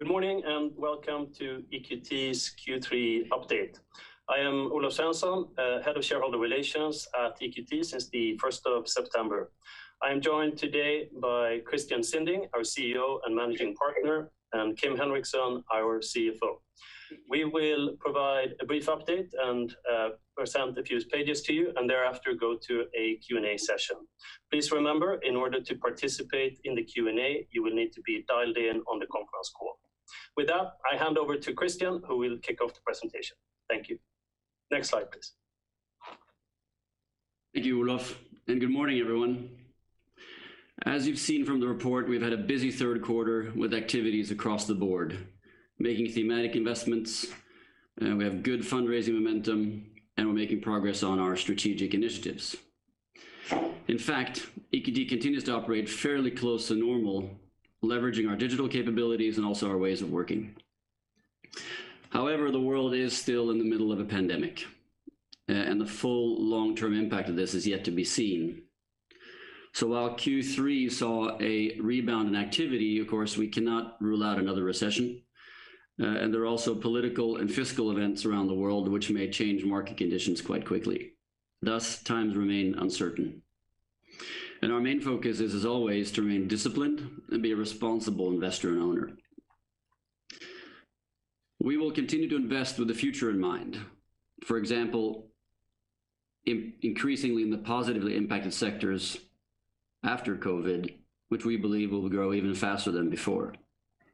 Good morning, and welcome to EQT's Q3 update. I am Olof Svensson, Head of Shareholder Relations at EQT since the 1st of September. I am joined today by Christian Sinding, our CEO and Managing Partner, and Kim Henriksson, our CFO. We will provide a brief update and present a few pages to you, and thereafter go to a Q&A session. Please remember, in order to participate in the Q&A, you will need to be dialed in on the conference call. With that, I hand over to Christian, who will kick off the presentation. Thank you. Next slide, please. Thank you, Olof. Good morning, everyone. As you've seen from the report, we've had a busy Q3 with activities across the board, making thematic investments. We have good fundraising momentum, and we're making progress on our strategic initiatives. In fact, EQT continues to operate fairly close to normal, leveraging our digital capabilities and also our ways of working. However, the world is still in the middle of a pandemic, and the full long-term impact of this is yet to be seen. While Q3 saw a rebound in activity, of course, we cannot rule out another recession, and there are also political and fiscal events around the world which may change market conditions quite quickly. Thus, times remain uncertain, and our main focus is, as always, to remain disciplined and be a responsible investor and owner. We will continue to invest with the future in mind. For example, increasingly in the positively impacted sectors after COVID, which we believe will grow even faster than before.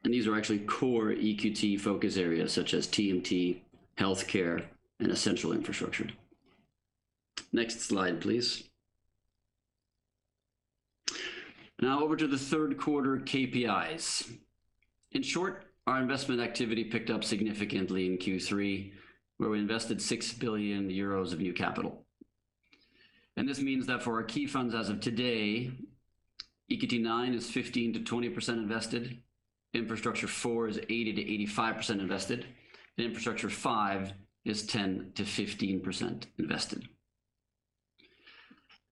These are actually core EQT focus areas such as TMT, healthcare, and essential infrastructure. Next slide, please. Now over to the Q3 KPIs. In short, our investment activity picked up significantly in Q3, where we invested 6 billion euros of new capital. This means that for our key funds as of today, EQT IX is 15%-20% invested, Infrastructure IV is 80%-85% invested, and Infrastructure V is 10%-15% invested.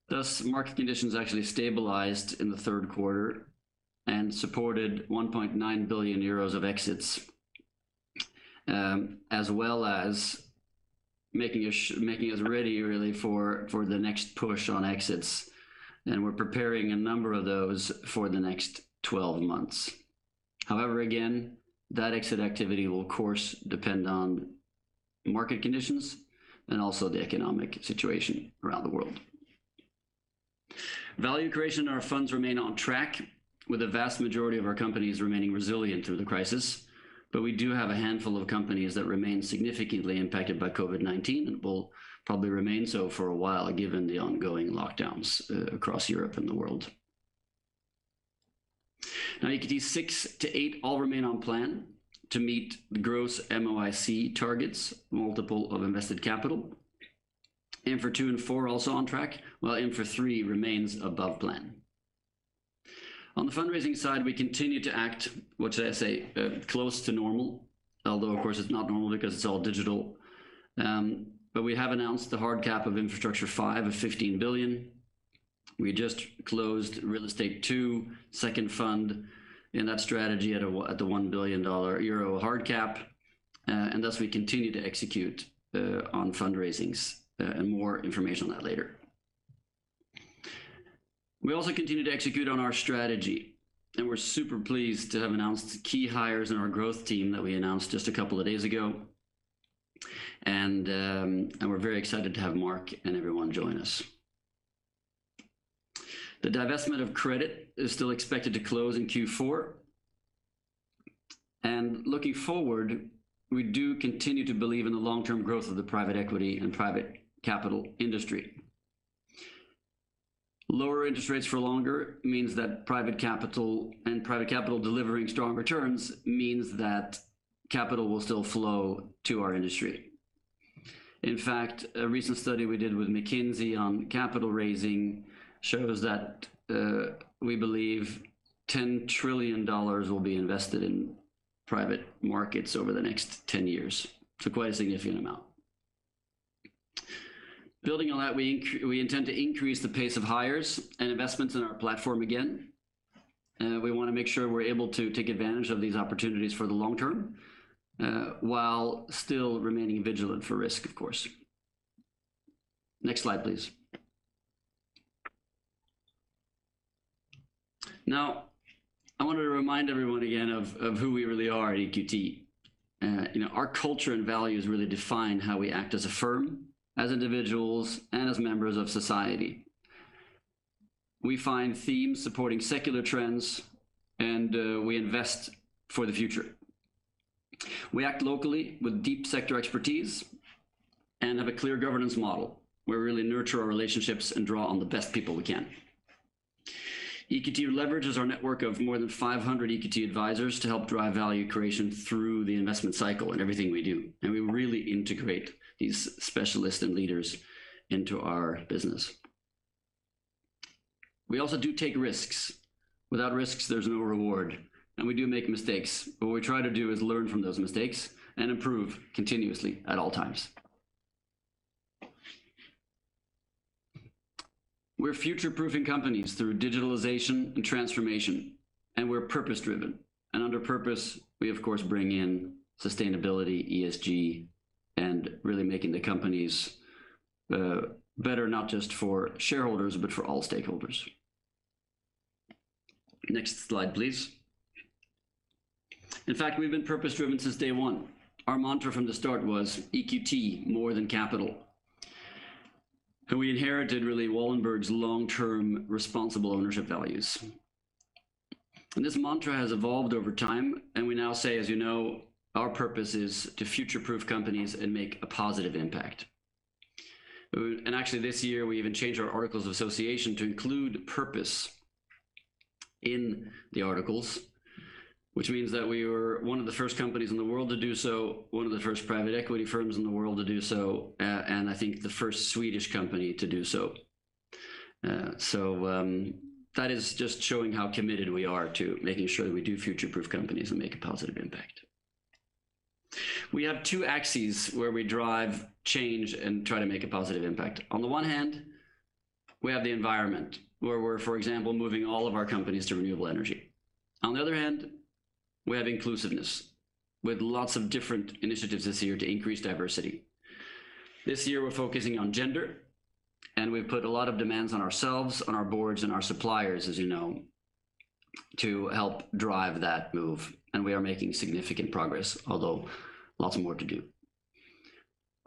Thus, market conditions actually stabilized in the Q3 and supported 1.9 billion euros of exits, as well as making us ready really for the next push on exits, and we're preparing a number of those for the next 12 months. Again, that exit activity will of course depend on market conditions and also the economic situation around the world. Value creation in our funds remain on track, with the vast majority of our companies remaining resilient through the crisis. We do have a handful of companies that remain significantly impacted by COVID-19 and will probably remain so for a while given the ongoing lockdowns across Europe and the world. EQT VI to VIII all remain on plan to meet the gross MOIC targets, multiple of invested capital. Infra II and IV are also on track, while Infra III remains above plan. On the fundraising side, we continue to act, would I say, close to normal, although of course it's not normal because it's all digital. We have announced the hard cap of Infrastructure V of 15 billion. We just closed Real Estate II second fund in that strategy at the EUR 1 billion hard cap. Thus, we continue to execute on fundraisings. More information on that later. We also continue to execute on our strategy, and we're super pleased to have announced key hires in our growth team that we announced just a couple of days ago. We're very excited to have Marc and everyone join us. The divestment of credit is still expected to close in Q4. Looking forward, we do continue to believe in the long-term growth of the private equity and private capital industry. Lower interest rates for longer means that private capital and private capital delivering strong returns means that capital will still flow to our industry. In fact, a recent study we did with McKinsey on capital raising shows that we believe EUR 10 trillion will be invested in private markets over the next 10 years. Quite a significant amount. Building on that, we intend to increase the pace of hires and investments in our platform again. We want to make sure we're able to take advantage of these opportunities for the long term while still remaining vigilant for risk, of course. Next slide, please. I wanted to remind everyone again of who we really are at EQT. Our culture and values really define how we act as a firm, as individuals, and as members of society. We find themes supporting secular trends, and we invest for the future. We act locally with deep sector expertise and have a clear governance model where we really nurture our relationships and draw on the best people we can. EQT leverages our network of more than 500 EQT advisors to help drive value creation through the investment cycle in everything we do. We really integrate these specialists and leaders into our business. We also do take risks. Without risks, there's no reward. We do make mistakes, but what we try to do is learn from those mistakes and improve continuously at all times. We're future-proofing companies through digitalization and transformation, and we're purpose-driven. Under purpose, we of course bring in sustainability, ESG, and really making the companies better, not just for shareholders, but for all stakeholders. Next slide, please. In fact, we've been purpose-driven since day one. Our mantra from the start was EQT, more than capital. We inherited really Wallenberg's long-term responsible ownership values. This mantra has evolved over time, and we now say, as you know, our purpose is to future-proof companies and make a positive impact. Actually, this year we even changed our articles of association to include purpose in the articles, which means that we were one of the first companies in the world to do so, one of the first private equity firms in the world to do so, and I think the first Swedish company to do so. That is just showing how committed we are to making sure that we do future-proof companies and make a positive impact. We have two axes where we drive change and try to make a positive impact. On the one hand, we have the environment where we're, for example, moving all of our companies to renewable energy. On the other hand, we have inclusiveness with lots of different initiatives this year to increase diversity. This year we're focusing on gender, and we've put a lot of demands on ourselves, on our boards and our suppliers, as you know, to help drive that move. We are making significant progress, although lots more to do.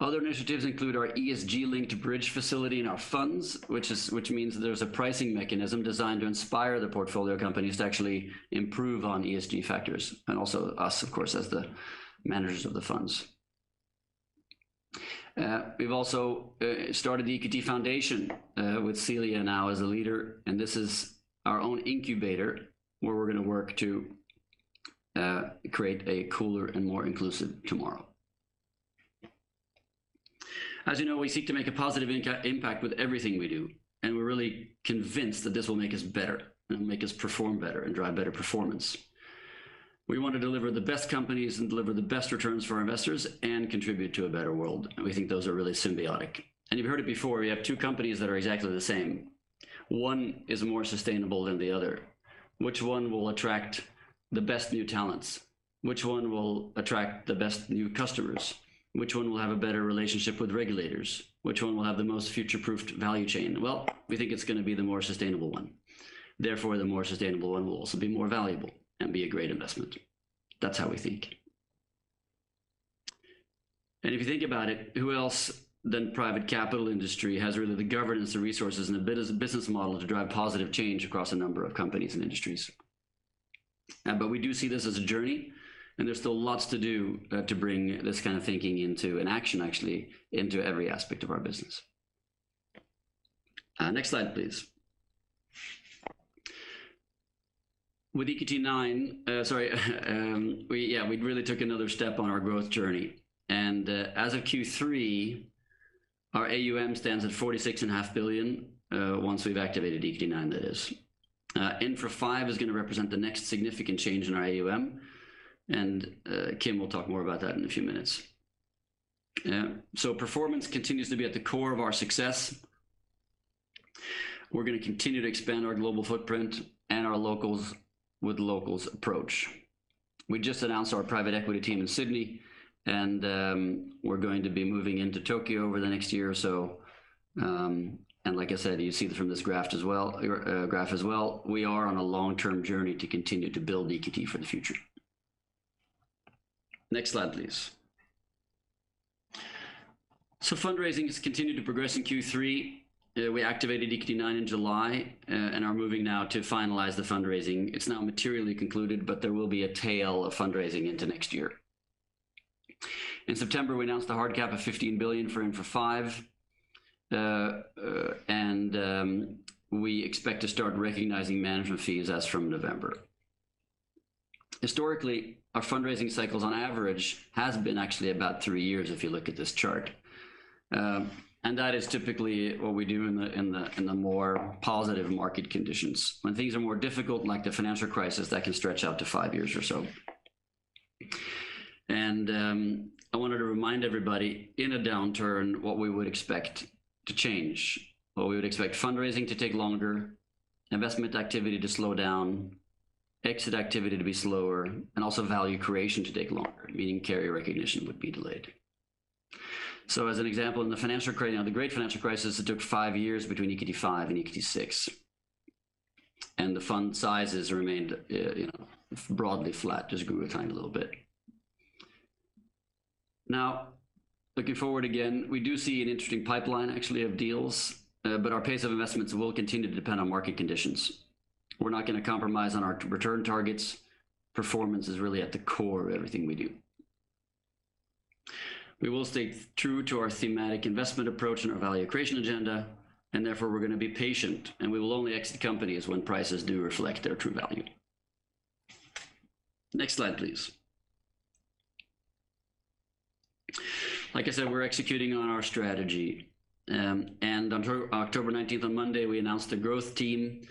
Other initiatives include our ESG-linked bridge facility and our funds which means there's a pricing mechanism designed to inspire the portfolio companies to actually improve on ESG factors and also us, of course, as the managers of the funds. We've also started the EQT Foundation with Cilia now as a leader, this is our own incubator where we're going to work to create a cooler and more inclusive tomorrow. As you know, we seek to make a positive impact with everything we do, and we're really convinced that this will make us better and make us perform better and drive better performance. We want to deliver the best companies and deliver the best returns for our investors and contribute to a better world. We think those are really symbiotic. You've heard it before, you have two companies that are exactly the same. One is more sustainable than the other. Which one will attract the best new talents? Which one will attract the best new customers? Which one will have a better relationship with regulators? Which one will have the most future-proofed value chain? Well, we think it's gonna be the more sustainable one, therefore the more sustainable one will also be more valuable and be a great investment. That's how we think. If you think about it, who else than private capital industry has really the governance, the resources, and the business model to drive positive change across a number of companies and industries? We do see this as a journey and there's still lots to do to bring this kind of thinking into an action actually into every aspect of our business. Next slide, please. With EQT IX, sorry we really took another step on our growth journey and as of Q3 our AUM stands at 46.5 billion once we've activated EQT IX that is. Infra V is going to represent the next significant change in our AUM, and Kim will talk more about that in a few minutes. Performance continues to be at the core of our success. We're going to continue to expand our global footprint and our locals with locals approach. We just announced our private equity team in Sydney, and we're going to be moving into Tokyo over the next year or so. Like I said, you see from this graph as well, we are on a long-term journey to continue to build EQT for the future. Next slide, please. Fundraising has continued to progress in Q3. We activated EQT IX in July and are moving now to finalize the fundraising. It's now materially concluded, but there will be a tail of fundraising into next year. In September, we announced the hard cap of 15 billion for Infra V, and we expect to start recognizing management fees as from November. Historically, our fundraising cycles on average has been actually about three years if you look at this chart. That is typically what we do in the more positive market conditions. When things are more difficult, like the financial crisis, that can stretch out to five years or so. I wanted to remind everybody in a downturn what we would expect to change. What we would expect fundraising to take longer, investment activity to slow down, exit activity to be slower, and also value creation to take longer, meaning carry recognition would be delayed. As an example, in the financial crisis, now the great financial crisis, it took five years between EQT V and EQT VI, and the fund sizes remained broadly flat, just grew a tiny little bit. Looking forward again, we do see an interesting pipeline actually of deals, but our pace of investments will continue to depend on market conditions. We're not going to compromise on our return targets. Performance is really at the core of everything we do. We will stay true to our thematic investment approach and our value creation agenda and therefore we are going to be patient and we will only exit companies when prices do reflect their true value. Next slide, please. Like I said, we are executing on our strategy. On October 19th, on Monday, we announced a growth team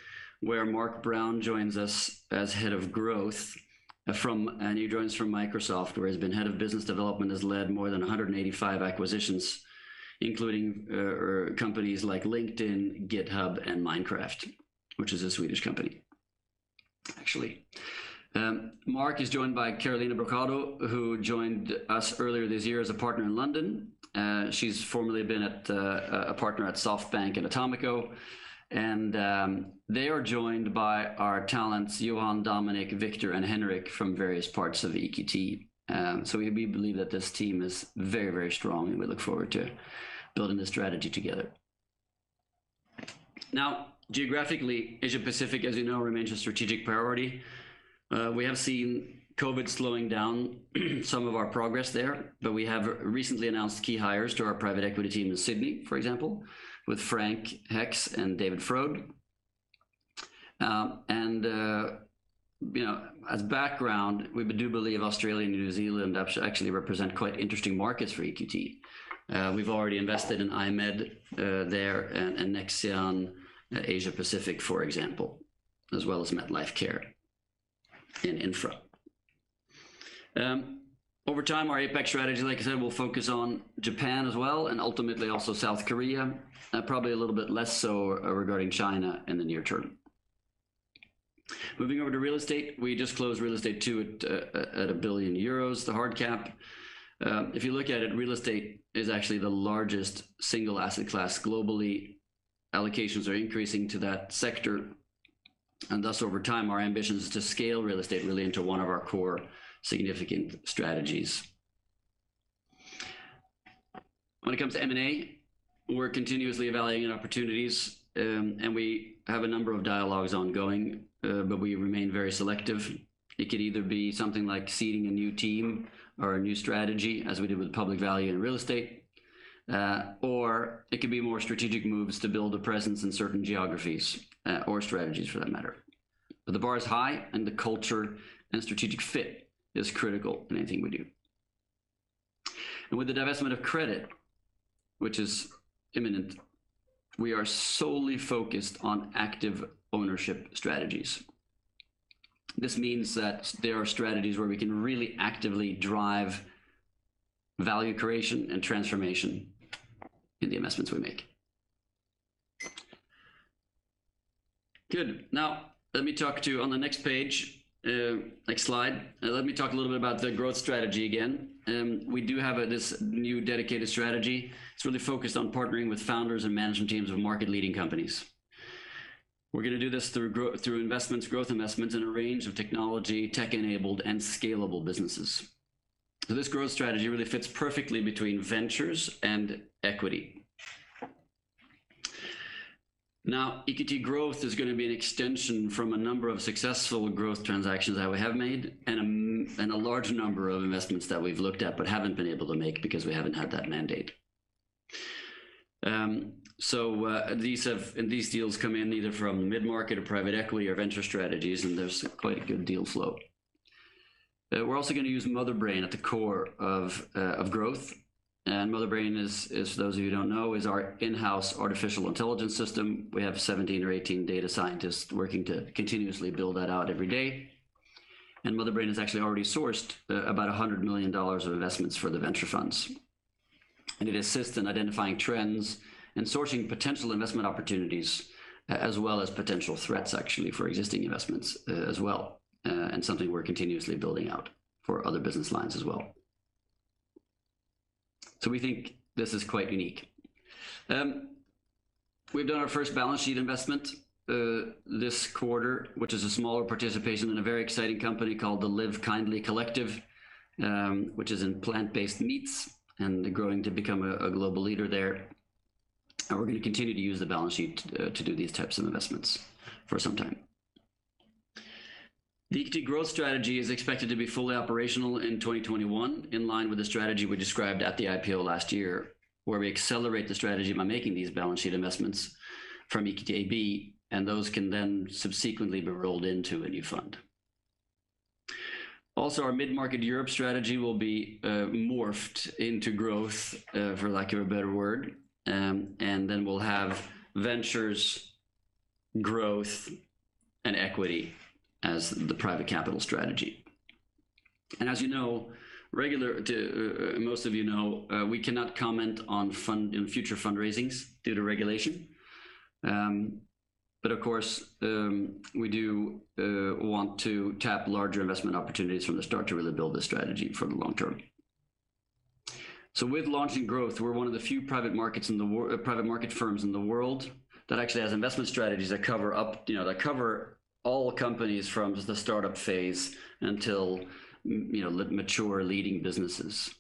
where Marc Brown joins us as Head of Growth. He joins from Microsoft, where he has been Head of Business Development, has led more than 185 acquisitions, including companies like LinkedIn, GitHub, and Minecraft, which is a Swedish company, actually. Marc is joined by Carolina Brochado, who joined us earlier this year as a partner in London. She has formerly been a partner at SoftBank and Atomico, and they are joined by our talents, Johan, Dominik, Victor, and Henrik from various parts of EQT. We believe that this team is very strong, and we look forward to building this strategy together. Now, geographically, Asia-Pacific, as you know, remains a strategic priority. We have seen COVID slowing down some of our progress there, but we have recently announced key hires to our private equity team in Sydney, for example, with Frank Heckes and David Forde. As background, we do believe Australia and New Zealand actually represent quite interesting markets for EQT. We've already invested in I-MED there and Nexon Asia Pacific, for example, as well as Metlifecare in infra. Over time, our APAC strategy, like I said, will focus on Japan as well and ultimately also South Korea. Probably a little bit less so regarding China in the near term. Moving over to real estate, we just closed Real Estate II at 1 billion euros, the hard cap. If you look at it, real estate is actually the largest single asset class globally. Allocations are increasing to that sector. Thus, over time, our ambition is to scale real estate really into one of our core significant strategies. When it comes to M&A, we're continuously evaluating opportunities, and we have a number of dialogues ongoing. We remain very selective. It could either be something like seeding a new team or a new strategy, as we did with EQT Public Value in real estate, or it could be more strategic moves to build a presence in certain geographies or strategies for that matter. The bar is high, and the culture and strategic fit is critical in anything we do. With the divestment of credit, which is imminent, we are solely focused on active ownership strategies. This means that there are strategies where we can really actively drive value creation and transformation in the investments we make. Good. Let me talk to you on the next page, next slide. Let me talk a little bit about the growth strategy again. We do have this new dedicated strategy. It's really focused on partnering with founders and management teams of market-leading companies. We're going to do this through growth investments in a range of technology, tech-enabled, and scalable businesses. This growth strategy really fits perfectly between ventures and equity. EQT Growth is going to be an extension from a number of successful growth transactions that we have made, and a large number of investments that we've looked at but haven't been able to make because we haven't had that mandate. These deals come in either from mid-market or private equity or venture strategies, and there's quite a good deal flow. We're also going to use Motherbrain at the core of Growth, and Motherbrain, for those of you who don't know, is our in-house artificial intelligence system. We have 17 or 18 data scientists working to continuously build that out every day. Motherbrain has actually already sourced about EUR 100 million of investments for the venture funds. It assists in identifying trends, and sourcing potential investment opportunities as well as potential threats, actually, for existing investments as well, and something we're continuously building out for other business lines as well. We think this is quite unique. We've done our first balance sheet investment this quarter, which is a smaller participation in a very exciting company called The LIVEKINDLY Collective, which is in plant-based meats, and growing to become a global leader there. We're going to continue to use the balance sheet to do these types of investments for some time. The EQT Growth strategy is expected to be fully operational in 2021, in line with the strategy we described at the IPO last year, where we accelerate the strategy by making these balance sheet investments from EQT AB, and those can then subsequently be rolled into a new fund. Also, our EQT Mid Market Europe strategy will be morphed into Growth, for lack of a better word, and then we'll have ventures, Growth, and equity as the private capital strategy. As you know, most of you know, we cannot comment on future fundraisings due to regulation. Of course, we do want to tap larger investment opportunities from the start to really build this strategy for the long term. With launching Growth, we're one of the few private market firms in the world that actually has investment strategies that cover all companies from the startup phase until mature leading businesses.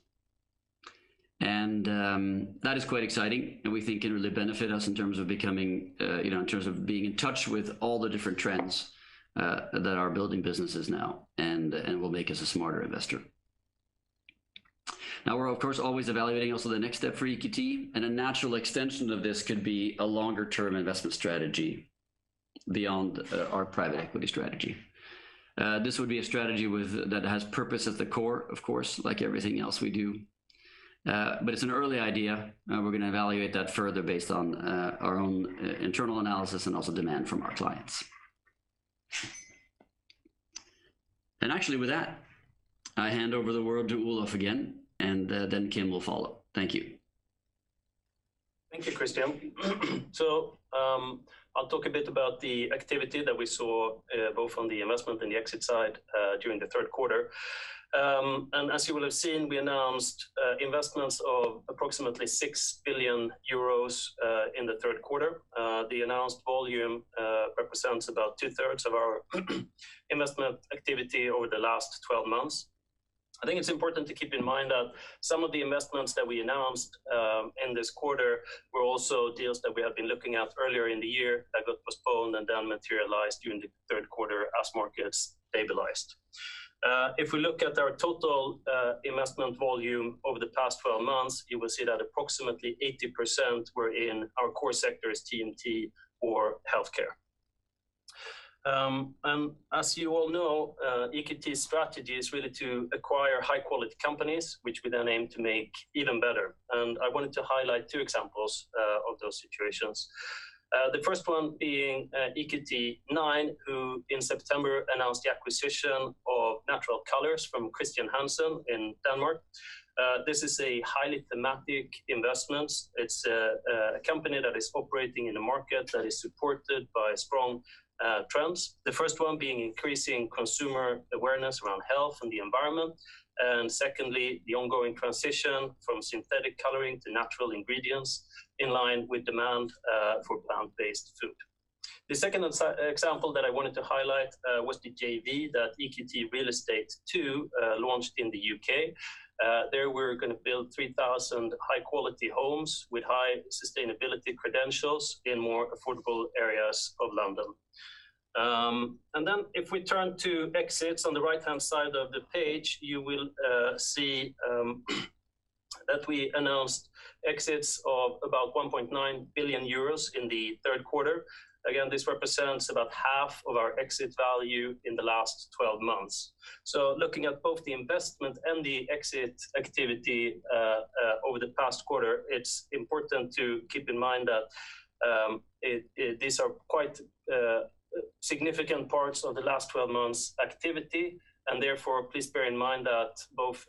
That is quite exciting, and we think can really benefit us in terms of being in touch with all the different trends that are building businesses now and will make us a smarter investor. Now, we're of course always evaluating also the next step for EQT, and a natural extension of this could be a longer-term investment strategy beyond our private equity strategy. This would be a strategy that has purpose at the core, of course, like everything else we do. It's an early idea. We're going to evaluate that further based on our own internal analysis and also demand from our clients. Actually with that, I hand over the word to Olof again, and then Kim will follow. Thank you. Thank you, Christian. I'll talk a bit about the activity that we saw both on the investment and the exit side during the Q3. As you will have seen, we announced investments of approximately 6 billion euros in the Q3. The announced volume represents about two-thirds of our investment activity over the last 12 months. I think it's important to keep in mind that some of the investments that we announced in this quarter, were also deals that we had been looking at earlier in the year that got postponed and then materialized during the Q3 as markets stabilized. If we look at our total investment volume over the past 12 months, you will see that approximately 80% were in our core sectors, TMT or healthcare. As you all know, EQT strategy is really to acquire high-quality companies, which we then aim to make even better. I wanted to highlight two examples of those situations. The first one being EQT IX, who in September announced the acquisition of Natural Colors from Chr. Hansen in Denmark. This is a highly thematic investment. It's a company that is operating in a market that is supported by strong trends. The first one being increasing consumer awareness around health and the environment. Secondly, the ongoing transition from synthetic coloring to natural ingredients in line with demand for plant-based food. The second example that I wanted to highlight was the JV that EQT Real Estate II launched in the U.K. There we're going to build 3,000 high-quality homes with high sustainability credentials in more affordable areas of London. Then if we turn to exits on the right-hand side of the page, you will see that we announced exits of about 1.9 billion euros in the Q3. Again, this represents about half of our exit value in the last 12 months. Looking at both the investment and the exit activity over the past quarter, it is important to keep in mind that these are quite significant parts of the last 12 months activity, therefore, please bear in mind that both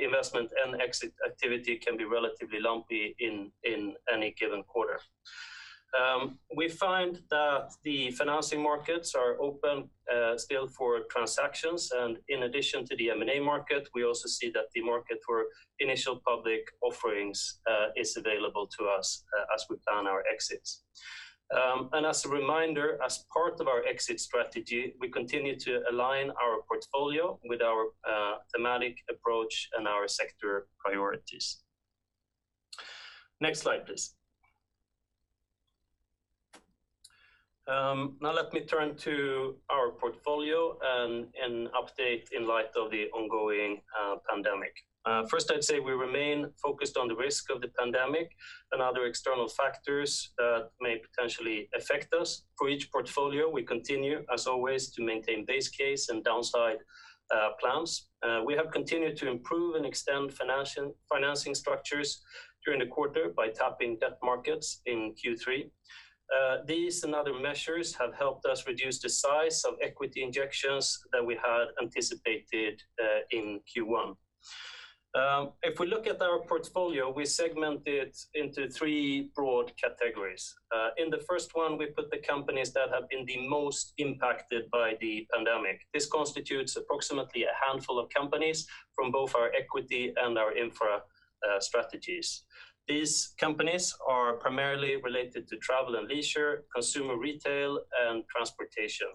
investment and exit activity can be relatively lumpy in any given quarter. We find that the financing markets are open still for transactions, in addition to the M&A market, we also see that the market for initial public offerings is available to us as we plan our exits. As a reminder, as part of our exit strategy, we continue to align our portfolio with our thematic approach and our sector priorities. Next slide, please. Now let me turn to our portfolio and update in light of the ongoing pandemic. First, I'd say we remain focused on the risk of the pandemic and other external factors that may potentially affect us. For each portfolio, we continue as always to maintain base case and downside plans. We have continued to improve and extend financing structures during the quarter by tapping debt markets in Q3. These and other measures have helped us reduce the size of equity injections that we had anticipated in Q1. If we look at our portfolio, we segment it into three broad categories. In the first one, we put the companies that have been the most impacted by the pandemic. This constitutes approximately a handful of companies from both our equity and our infra strategies. These companies are primarily related to travel and leisure, consumer retail, and transportation.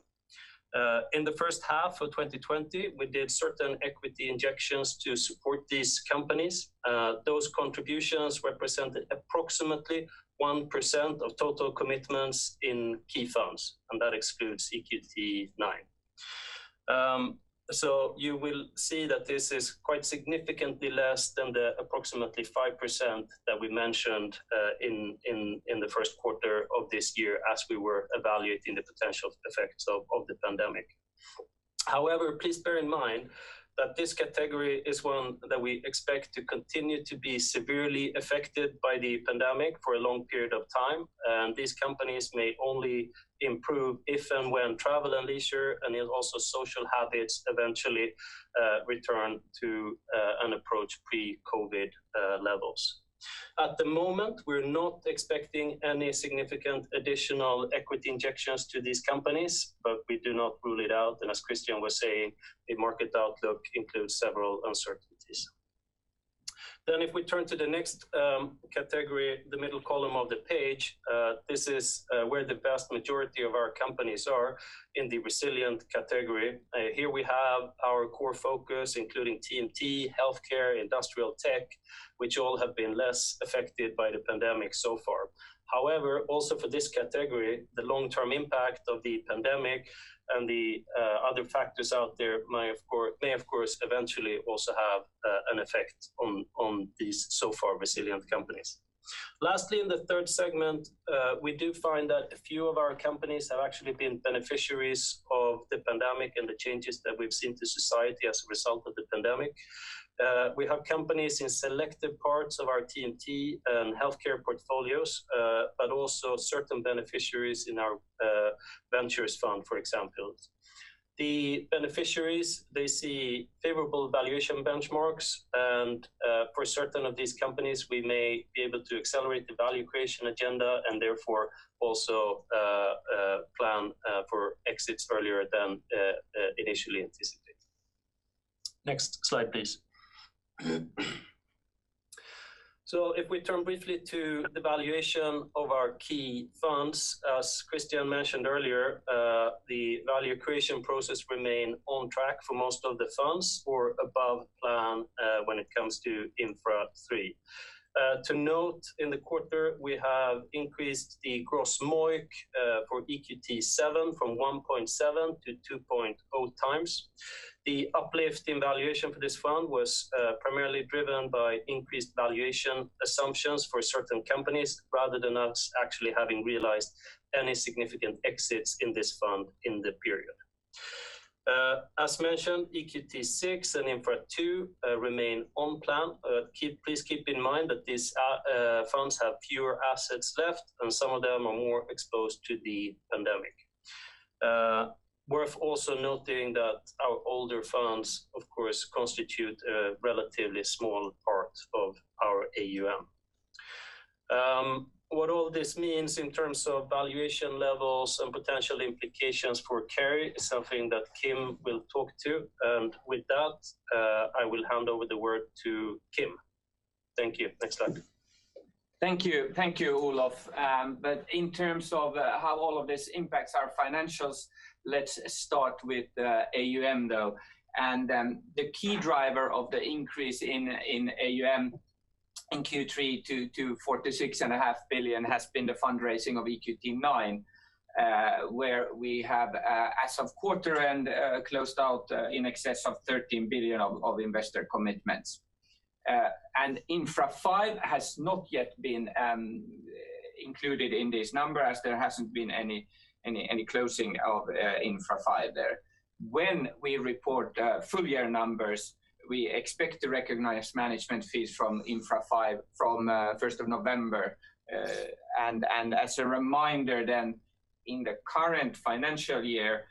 In the first half of 2020, we did certain equity injections to support these companies. Those contributions represented approximately 1% of total commitments in key firms. That excludes EQT IX. You will see that this is quite significantly less than the approximately 5% that we mentioned in the Q1 of this year as we were evaluating the potential effects of the pandemic. However, please bear in mind that this category is one that we expect to continue to be severely affected by the pandemic for a long period of time, and these companies may only improve if and when travel and leisure and also social habits eventually return to and approach pre-COVID levels. At the moment, we're not expecting any significant additional equity injections to these companies, but we do not rule it out. As Christian was saying, the market outlook includes several uncertainties. If we turn to the next category, the middle column of the page. This is where the vast majority of our companies are in the resilient category. Here we have our core focus, including TMT, healthcare, industrial tech, which all have been less affected by the pandemic so far. However, also for this category, the long-term impact of the pandemic and the other factors out there may of course eventually also have an effect on these so far resilient companies. Lastly, in the third segment, we do find that a few of our companies have actually been beneficiaries of the pandemic and the changes that we've seen to society as a result of the pandemic. We have companies in selective parts of our TMT and healthcare portfolios but also certain beneficiaries in our ventures fund, for example. The beneficiaries see favorable valuation benchmarks, and for certain of these companies we may be able to accelerate the value creation agenda and therefore also plan for exits earlier than initially anticipated. Next slide, please. If we turn briefly to the valuation of our key funds, as Christian mentioned earlier, the value creation process remain on track for most of the funds or above plan when it comes to Infra III. To note in the quarter, we have increased the gross MOIC for EQT VII from 1.7x to 2.0x. The uplift in valuation for this fund was primarily driven by increased valuation assumptions for certain companies rather than us actually having realized any significant exits in this fund in the period. As mentioned, EQT VI and Infra II remain on plan. Please keep in mind that these funds have fewer assets left, and some of them are more exposed to the pandemic. Worth also noting that our older funds, of course, constitute a relatively small part of our AUM. What all this means in terms of valuation levels and potential implications for carry is something that Kim will talk to. With that, I will hand over the word to Kim. Thank you. Next slide. Thank you, Olof. In terms of how all of this impacts our financials, let's start with AUM though. The key driver of the increase in AUM in Q3 to 46.5 billion has been the fundraising of EQT IX where we have as of quarter end closed out in excess of 13 billion of investor commitments. Infra V has not yet been included in this number as there has not been any closing of Infra V there. When we report full year numbers, we expect to recognize management fees from Infra V from 1st of November, and as a reminder then in the current financial year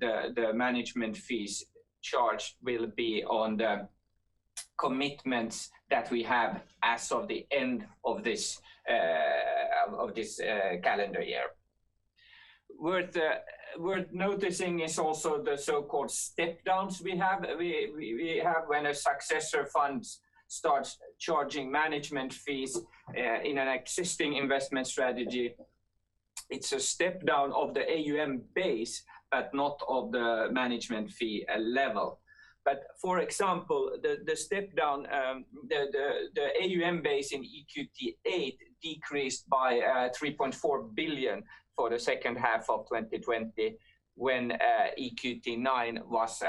the management fees charged will be on the commitments that we have as of the end of this calendar year. Worth noticing is also the so-called step downs we have when a successor fund starts charging management fees in an existing investment strategy. It's a step down of the AUM base, but not of the management fee level. For example, the step down the AUM base in EQT VIII decreased by 3.4 billion for the second half of 2020 when EQT IX was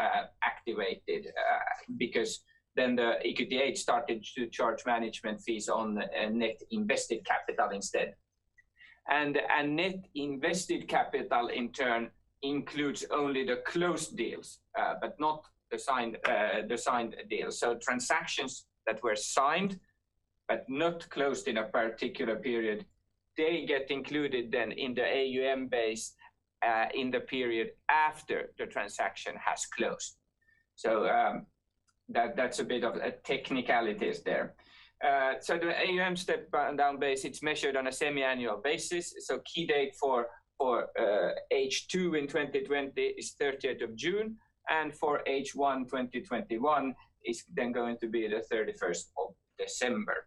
activated because the EQT VIII started to charge management fees on net invested capital instead. Net invested capital in turn includes only the closed deals but not the signed deals. Transactions that were signed but not closed in a particular period, they get included then in the AUM base in the period after the transaction has closed. That's a bit of a technicalities there. The AUM step down base, it's measured on a semi-annual basis, key date for H2 in 2020 is 30th of June and for H1, 2021 is going to be the 31st of December.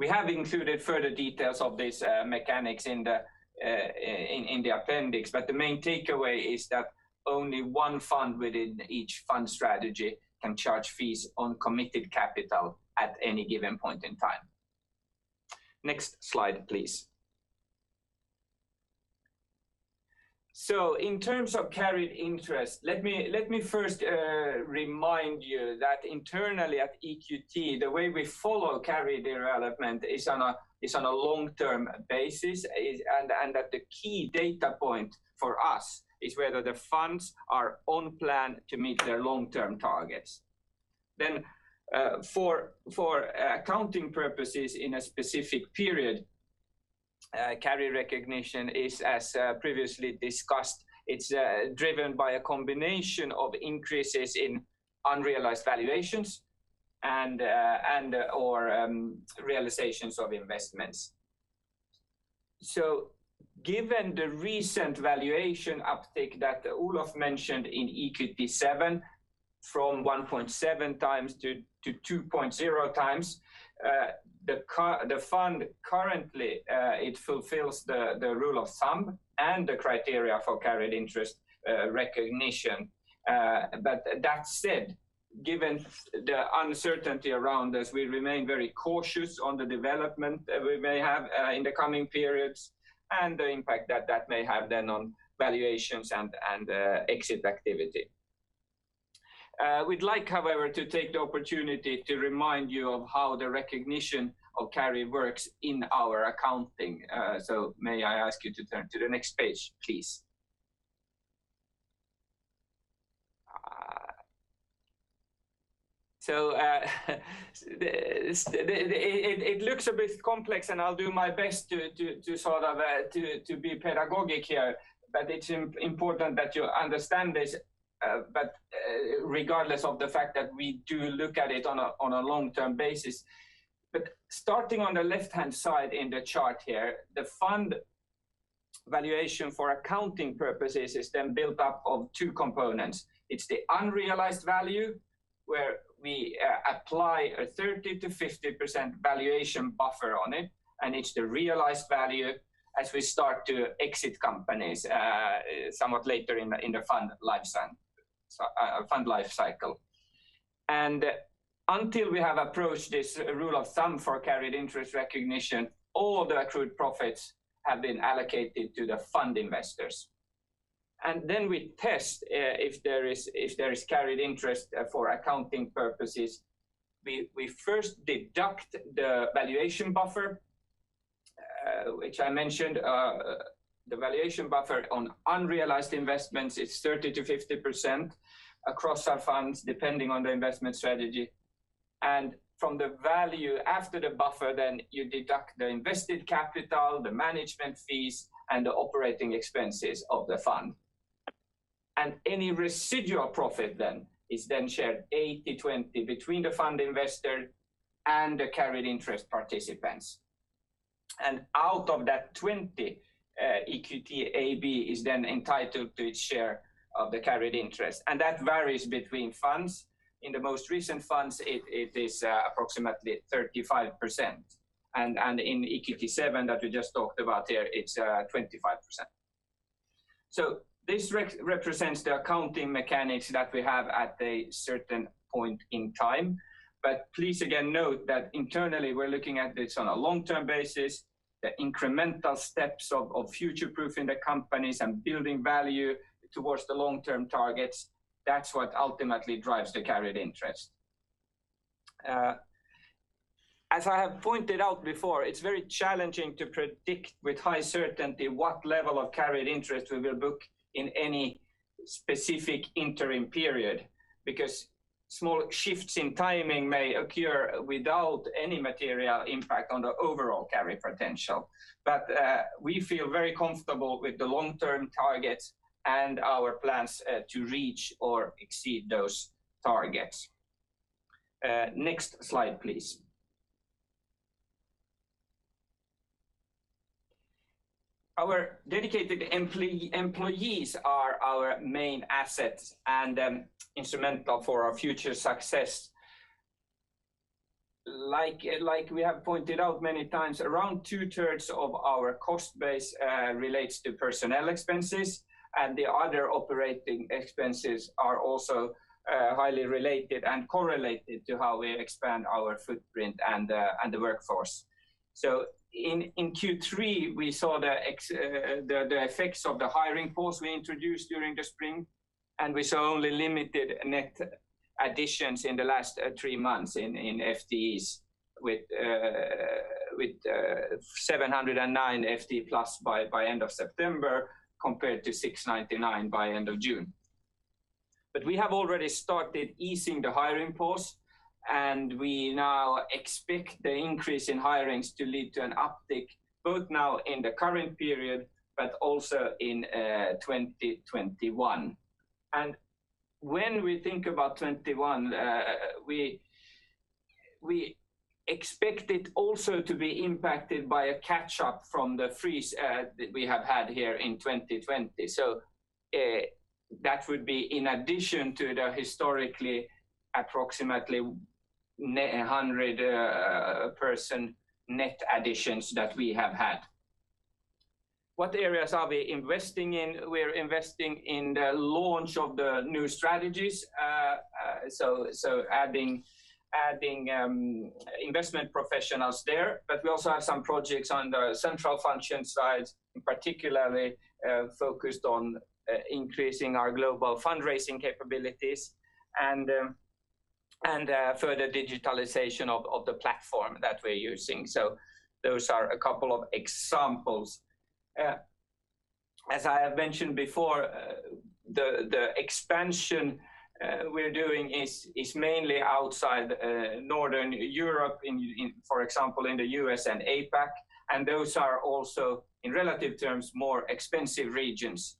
We have included further details of this mechanics in the appendix, but the main takeaway is that only one fund within each fund strategy can charge fees on committed capital at any given point in time. Next slide, please. In terms of carried interest, let me first remind you that internally at EQT the way we follow carry development is on a long-term basis and that the key data point for us is whether the funds are on plan to meet their long-term targets. For accounting purposes in a specific period, carry recognition is as previously discussed it's driven by a combination of increases in unrealized valuations and or realizations of investments. Given the recent valuation uptick that Olof mentioned in EQT VII from 1.7x to 2.0x the fund currently it fulfills the rule of thumb and the criteria for carried interest recognition. That said, given the uncertainty around us we remain very cautious on the development we may have in the coming periods and the impact that that may have then on valuations and exit activity. We'd like however to take the opportunity to remind you of how the recognition of carry works in our accounting. May I ask you to turn to the next page, please. It looks a bit complex and I'll do my best to be pedagogic here, but it's important that you understand this regardless of the fact that we do look at it on a long-term basis. Starting on the left-hand side in the chart here the fund valuation for accounting purposes is then built up of two components. It's the unrealized value, where we apply a 30%-50% valuation buffer on it. It's the realized value as we start to exit companies somewhat later in the fund lifecycle. Until we have approached this rule of thumb for carried interest recognition, all the accrued profits have been allocated to the fund investors. Then we test if there is carried interest for accounting purposes. We first deduct the valuation buffer, which I mentioned. The valuation buffer on unrealized investments is 30%-50% across our funds, depending on the investment strategy. From the value after the buffer, then you deduct the invested capital, the management fees, and the operating expenses of the fund. Any residual profit then is then shared 80/20 between the fund investor and the carried interest participants. Out of that 20, EQT AB is then entitled to its share of the carried interest, and that varies between funds. In the most recent funds, it is approximately 35%, and in EQT VII that we just talked about here, it's 25%. This represents the accounting mechanics that we have at a certain point in time. Please, again, note that internally, we're looking at this on a long-term basis, the incremental steps of future-proofing the companies and building value towards the long-term targets. That's what ultimately drives the carried interest. As I have pointed out before, it's very challenging to predict with high certainty what level of carried interest we will book in any specific interim period, because small shifts in timing may occur without any material impact on the overall carry potential. We feel very comfortable with the long-term targets and our plans to reach or exceed those targets. Next slide, please. Our dedicated employees are our main assets and instrumental for our future success. Like we have pointed out many times, around two-thirds of our cost base relates to personnel expenses, and the other operating expenses are also highly related and correlated to how we expand our footprint and the workforce. In Q3, we saw the effects of the hiring pause we introduced during the spring, and we saw only limited net additions in the last three months in FTEs with 709 FTEs plus by end of September, compared to 699 by end of June. We have already started easing the hiring pause, and we now expect the increase in hirings to lead to an uptick, both now in the current period, but also in 2021. When we think about 2021, we expect it also to be impacted by a catch-up from the freeze that we have had here in 2020. That would be in addition to the historically approximately 100 person net additions that we have had. What areas are we investing in? We're investing in the launch of the new strategies, so adding investment professionals there. We also have some projects on the central function side, particularly focused on increasing our global fundraising capabilities and further digitalization of the platform that we're using. Those are a couple of examples. As I have mentioned before, the expansion we're doing is mainly outside Northern Europe, for example, in the U.S. and APAC, and those are also, in relative terms, more expensive regions.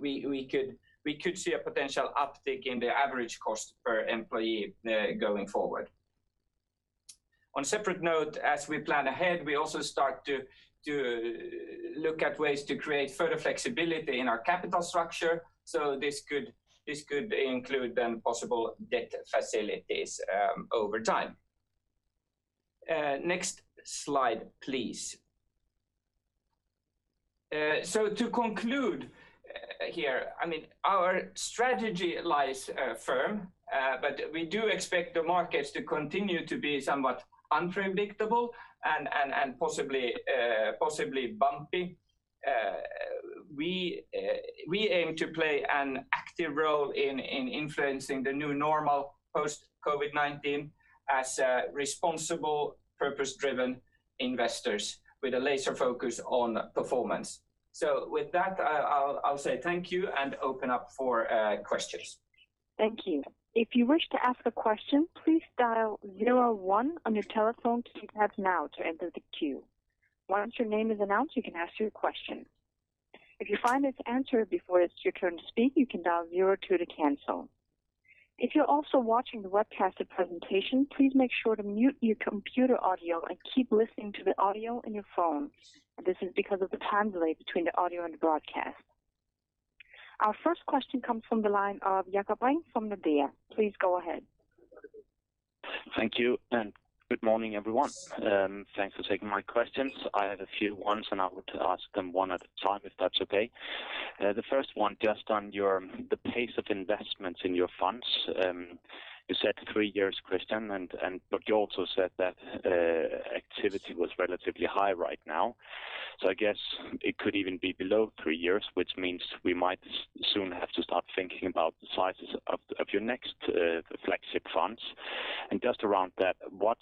We could see a potential uptick in the average cost per employee going forward. On a separate note, as we plan ahead, we also start to look at ways to create further flexibility in our capital structure. This could include possible debt facilities over time. Next slide, please. To conclude here, our strategy lies firm, but we do expect the markets to continue to be somewhat unpredictable and possibly bumpy. We aim to play an active role in influencing the new normal post-COVID-19 as responsible, purpose-driven investors with a laser focus on performance. With that, I'll say thank you and open up for questions. Thank you. If you wish to ask a question, please dial zero one on your telephone keypad now to enter the queue. Once your name is announced, you can ask your question. If you find this answered before it's your turn to speak, you can dial zero two to cancel. If you're also watching the webcasted presentation, please make sure to mute your computer audio and keep listening to the audio in your phone. This is because of the time delay between the audio and the broadcast. Our first question comes from the line of Jakob Brink from Nordea. Please go ahead. Thank you, and good morning, everyone. Thanks for taking my questions. I have a few ones, and I would ask them one at a time, if that's okay. The first one, just on the pace of investments in your funds. You said three years, Christian, but you also said that activity was relatively high right now, so I guess it could even be below three years, which means we might soon have to start thinking about the sizes of your next flagship funds. Just around that, what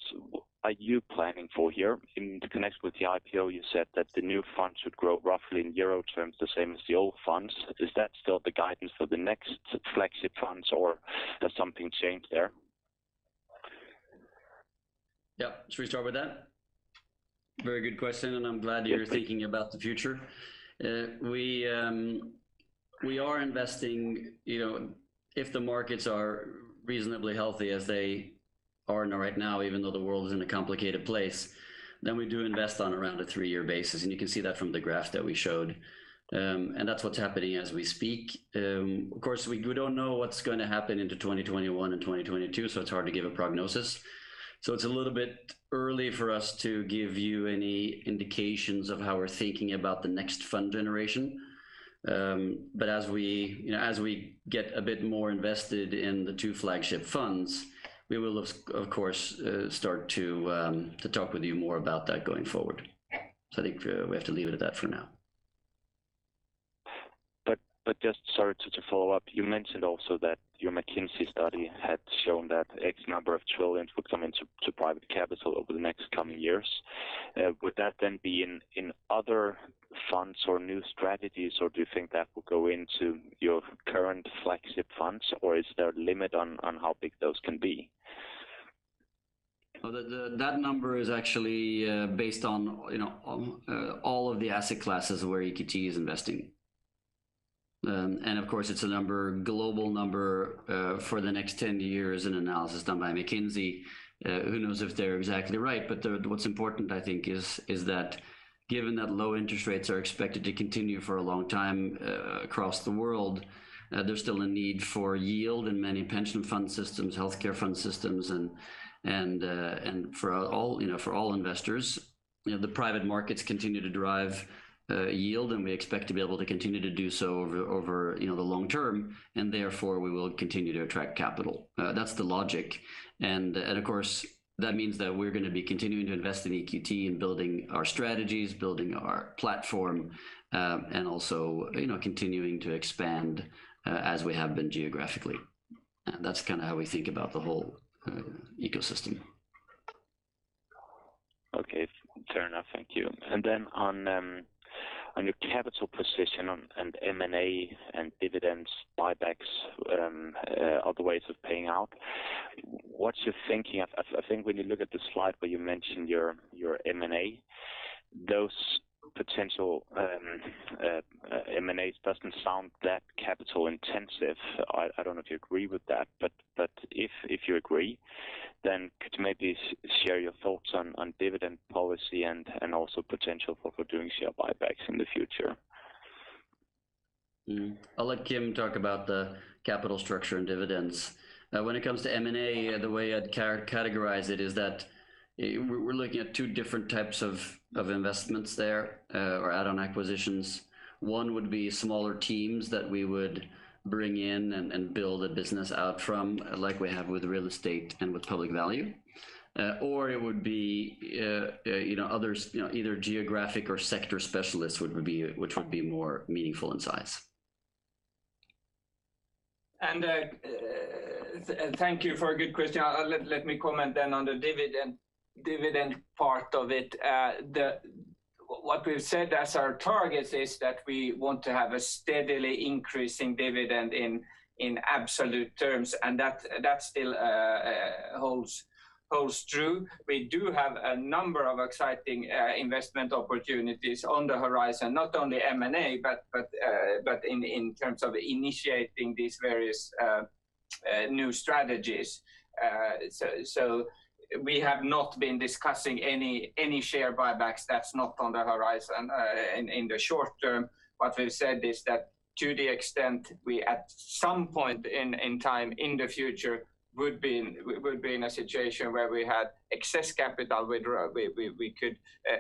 are you planning for here? In connection with the IPO, you said that the new fund should grow roughly in EUR terms, the same as the old funds. Is that still the guidance for the next flagship funds, or does something change there? Yeah. Should we start with that? Very good question. I'm glad you're thinking about the future. We are investing, if the markets are reasonably healthy as they are right now, even though the world is in a complicated place, then we do invest on around a three-year basis. You can see that from the graph that we showed. That's what's happening as we speak. Of course, we don't know what's going to happen into 2021 and 2022, it's hard to give a prognosis. It's a little bit early for us to give you any indications of how we're thinking about the next fund generation. As we get a bit more invested in the two flagship funds, we will of course start to talk with you more about that going forward. I think we have to leave it at that for now. Just sorry to follow up, you mentioned also that your McKinsey study had shown that x number of trillions would come into private capital over the next coming years. Would that then be in other funds or new strategies, or do you think that will go into your current flagship funds, or is there a limit on how big those can be? That number is actually based on all of the asset classes where EQT is investing. Of course, it's a global number for the next 10 years, an analysis done by McKinsey. Who knows if they're exactly right, but what's important, I think is that given that low interest rates are expected to continue for a long time across the world, there's still a need for yield in many pension fund systems, healthcare fund systems, and for all investors. The private markets continue to drive yield, and we expect to be able to continue to do so over the long term, and therefore we will continue to attract capital. That's the logic. Of course, that means that we're going to be continuing to invest in EQT, in building our strategies, building our platform, and also continuing to expand as we have been geographically. That's kind of how we think about the whole ecosystem. Okay. Fair enough. Thank you. On your capital position and M&A and dividends, buybacks, other ways of paying out, what's your thinking? I think when you look at the slide where you mentioned your M&A, those potential M&As doesn't sound that capital intensive. I don't know if you agree with that, but if you agree, then could you maybe share your thoughts on dividend policy and also potential for doing share buybacks in the future? I'll let Kim talk about the capital structure and dividends. When it comes to M&A, the way I'd categorize it is that we're looking at two different types of investments there, or add-on acquisitions. One would be smaller teams that we would bring in and build a business out from, like we have with real estate and with public value. It would be either geographic or sector specialists which would be more meaningful in size. Thank you for a good question. Let me comment on the dividend part of it. What we've said as our targets is that we want to have a steadily increasing dividend in absolute terms, that still holds true. We do have a number of exciting investment opportunities on the horizon, not only M&A, but in terms of initiating these various new strategies. We have not been discussing any share buybacks. That's not on the horizon in the short term. What we've said is that to the extent we at some point in time in the future would be in a situation where we had excess capital, we could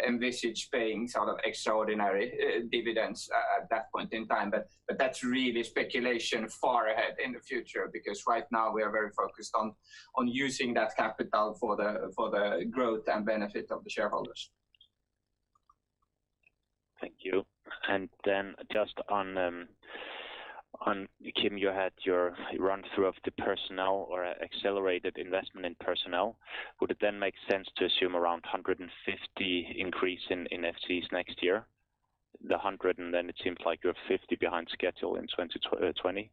envisage paying sort of extraordinary dividends at that point in time. That's really speculation far ahead in the future, because right now we are very focused on using that capital for the growth and benefit of the shareholders. Thank you. Just on, Kim, you had your run through of the personnel or accelerated investment in personnel. Would it then make sense to assume around 150 increase in FTEs next year? The 100, and then it seems like you're 50 behind schedule in 2020.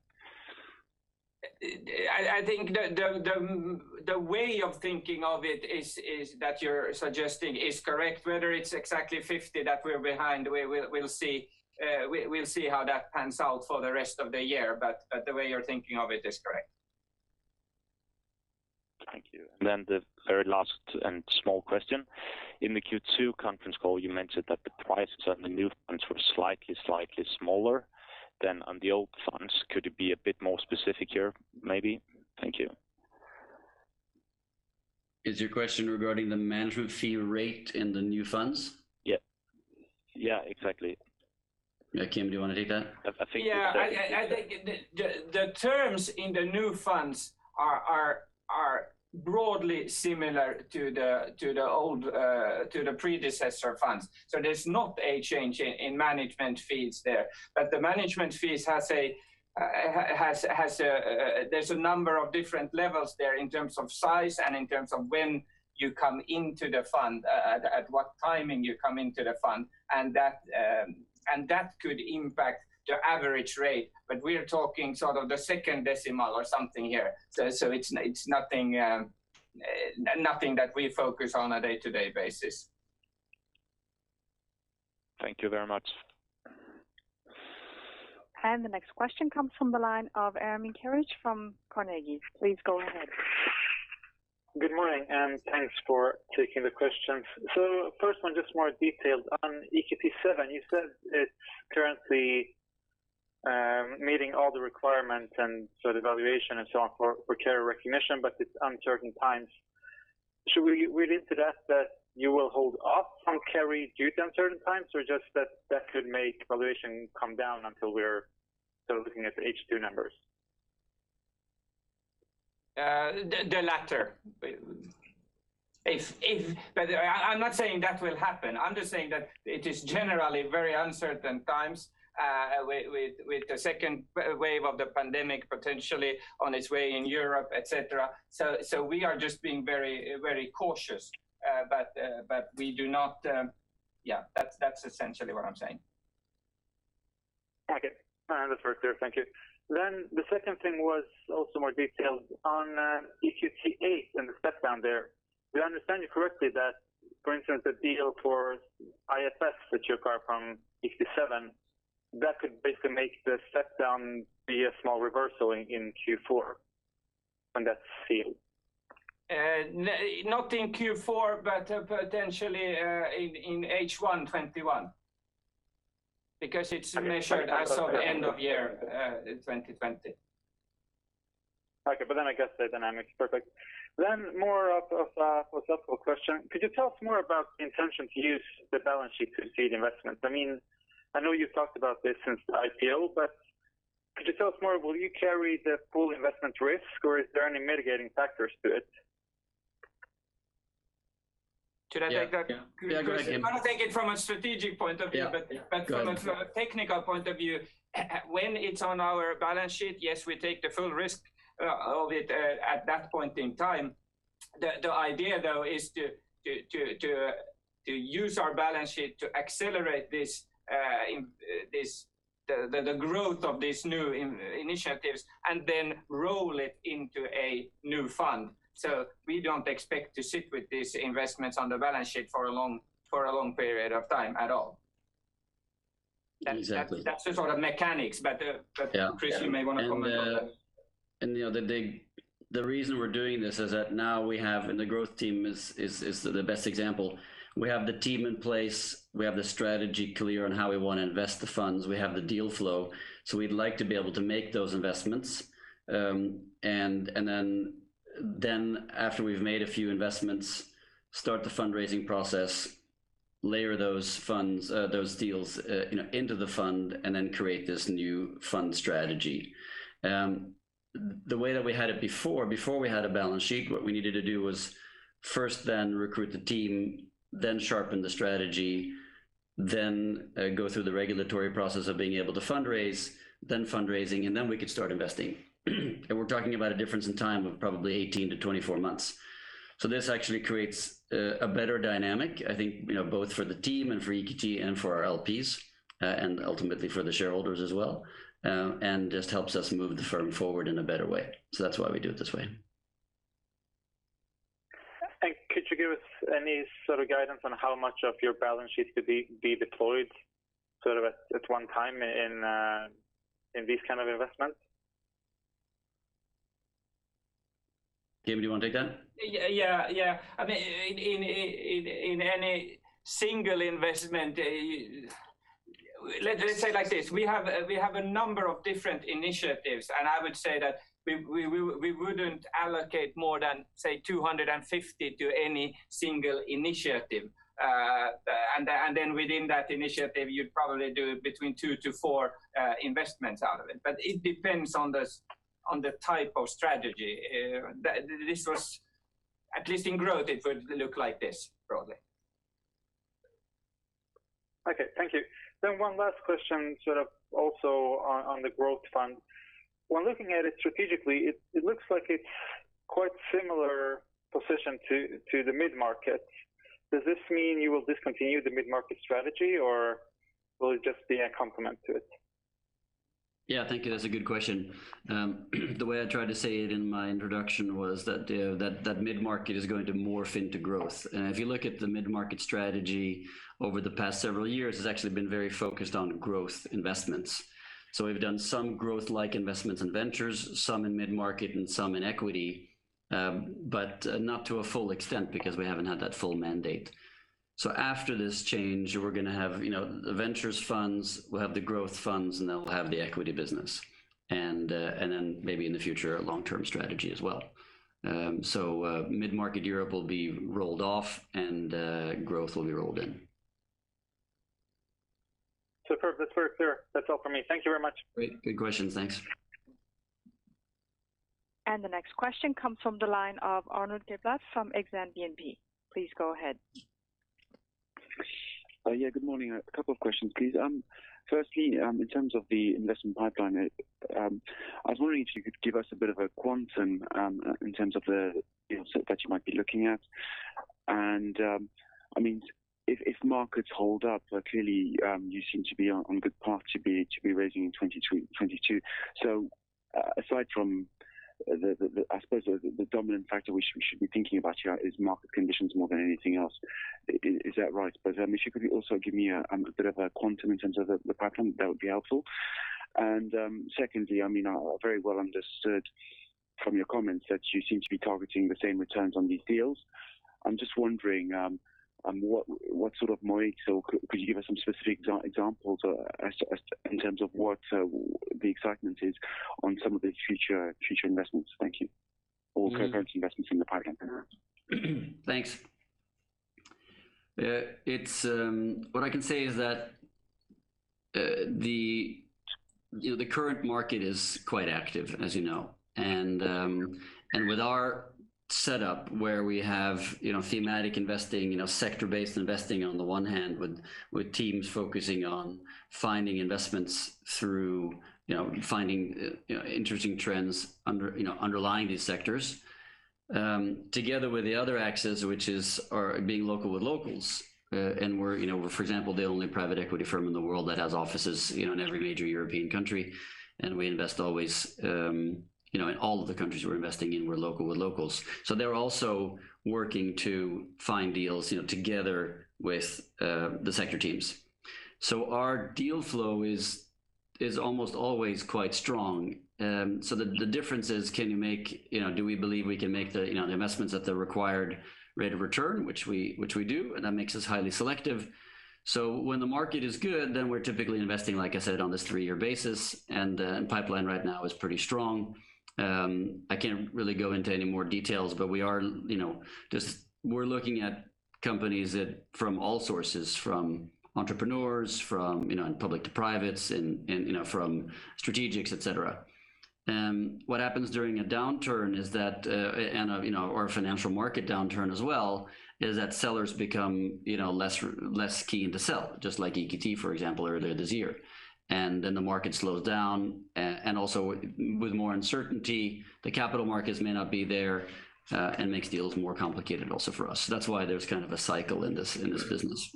I think the way of thinking of it that you're suggesting is correct. Whether it's exactly 50 that we're behind, we'll see how that pans out for the rest of the year. The way you're thinking of it is correct. Thank you. The very last and small question. In the Q2 conference call, you mentioned that the prices on the new funds were slightly smaller than on the old funds. Could you be a bit more specific here, maybe? Thank you. Is your question regarding the management fee rate in the new funds? Yes. Exactly. Kim, do you want to take that? Yeah. I think the terms in the new funds are broadly similar to the predecessor funds. There's not a change in management fees there. The management fees, there's a number of different levels there in terms of size and in terms of when you come into the fund, at what timing you come into the fund, and that could impact the average rate. We are talking the second decimal or something here. It's nothing that we focus on a day-to-day basis. Thank you very much. The next question comes from the line of Ermin Keric from Carnegie. Please go ahead. Good morning, and thanks for taking the questions. First one, just more detailed. On EQT VII, you said it's currently meeting all the requirements and sort of valuation and so on for carry recognition, but it's uncertain times. Should we read into that you will hold off on carry due to uncertain times or just that that could make valuation come down until we're sort of looking at H2 numbers? The latter. I'm not saying that will happen. I'm just saying that it is generally very uncertain times with the second wave of the pandemic potentially on its way in Europe, et cetera. We are just being very cautious. Yeah, that's essentially what I'm saying. Okay. That's very clear. Thank you. The second thing was also more detailed. On EQT VIII and the step down there, do I understand you correctly that, for instance, the deal for IFS that you acquired from EQT VII, that could basically make the step down be a small reversal in Q4 on that deal? Not in Q4, but potentially in H1 2021 because it's measured as of end of year 2020. Okay. I guess the dynamic is perfect. More of a philosophical question. Could you tell us more about the intention to use the balance sheet to seed investments? I know you've talked about this since the IPO, but could you tell us more? Will you carry the full investment risk or are there any mitigating factors to it? Should I take that? Yeah, go ahead Kim. I'm going to take it from a strategic point of view. Yeah, go ahead. From a technical point of view, when it's on our balance sheet, yes, we take the full risk of it at that point in time. The idea, though, is to use our balance sheet to accelerate the growth of these new initiatives and then roll it into a new fund. We don't expect to sit with these investments on the balance sheet for a long period of time at all. Exactly. That's the sort of mechanics, but Chris, you may want to comment on that. The reason we're doing this is that now we have, and the growth team is the best example. We have the team in place, we have the strategy clear on how we want to invest the funds, we have the deal flow, we'd like to be able to make those investments. After we've made a few investments, start the fundraising process, layer those deals into the fund, create this new fund strategy. The way that we had it before we had a balance sheet, what we needed to do was first then recruit the team, then sharpen the strategy, then go through the regulatory process of being able to fundraise, then fundraising, and then we could start investing. We're talking about a difference in time of probably 18 to 24 months. This actually creates a better dynamic, I think both for the team and for EQT and for our LPs, and ultimately for the shareholders as well, and just helps us move the firm forward in a better way. That's why we do it this way. Could you give us any sort of guidance on how much of your balance sheet could be deployed sort of at one time in these kind of investments? Kim, do you want to take that? Yeah. In any single investment, let's say it like this, we have a number of different initiatives. I would say that we wouldn't allocate more than, say, 250 to any single initiative. Then within that initiative, you'd probably do between two to four investments out of it. It depends on the type of strategy. At least in Growth, it would look like this, probably. Okay. Thank you. One last question sort of also on the Growth Fund. When looking at it strategically, it looks like it's quite similar position to the Mid Market. Does this mean you will discontinue the Mid Market strategy or will it just be a complement to it? Yeah, I think that's a good question. The way I tried to say it in my introduction was that that mid-market is going to morph into growth. If you look at the mid-market strategy over the past several years, it's actually been very focused on growth investments. We've done some growth-like investments in ventures, some in mid-market and some in equity, but not to a full extent because we haven't had that full mandate. After this change, we're going to have the ventures funds, we'll have the growth funds, and then we'll have the equity business, and then maybe in the future, a long-term strategy as well. Mid-Market Europe will be rolled off and growth will be rolled in. Superb. That's very clear. That's all from me. Thank you very much. Great. Good questions. Thanks. The next question comes from the line of Arnaud Giblat from Exane BNP. Please go ahead. Yeah, good morning. A couple of questions, please. Firstly, in terms of the investment pipeline, I was wondering if you could give us a bit of a quantum in terms of the deals that you might be looking at. If markets hold up, clearly, you seem to be on good path to be raising in 2022. Aside from the, I suppose the dominant factor we should be thinking about here is market conditions more than anything else. Is that right? If you could also give me a bit of a quantum in terms of the pipeline, that would be helpful. Secondly, I very well understood from your comments that you seem to be targeting the same returns on these deals. I'm just wondering what sort of moat, or could you give us some specific examples in terms of what the excitement is on some of these future investments? Thank you. Current investments in the pipeline. Thanks. What I can say is that the current market is quite active, as you know. With our setup where we have thematic investing, sector-based investing on the one hand, with teams focusing on finding investments through finding interesting trends underlying these sectors, together with the other axis, which is being local with locals. We're, for example, the only private equity firm in the world that has offices in every major European country, and we invest always in all of the countries we're investing in, we're local with locals. They're also working to find deals together with the sector teams. Our deal flow is almost always quite strong. The difference is, do we believe we can make the investments at the required rate of return? Which we do, and that makes us highly selective. When the market is good, then we're typically investing, like I said, on this three-year basis, and the pipeline right now is pretty strong. I can't really go into any more details, but we're looking at companies from all sources, from entrepreneurs, from public to privates, and from strategics, et cetera. What happens during a downturn is that, or a financial market downturn as well, is that sellers become less keen to sell, just like EQT, for example, earlier this year. The market slows down, and also with more uncertainty, the capital markets may not be there, and makes deals more complicated also for us. That's why there's kind of a cycle in this business.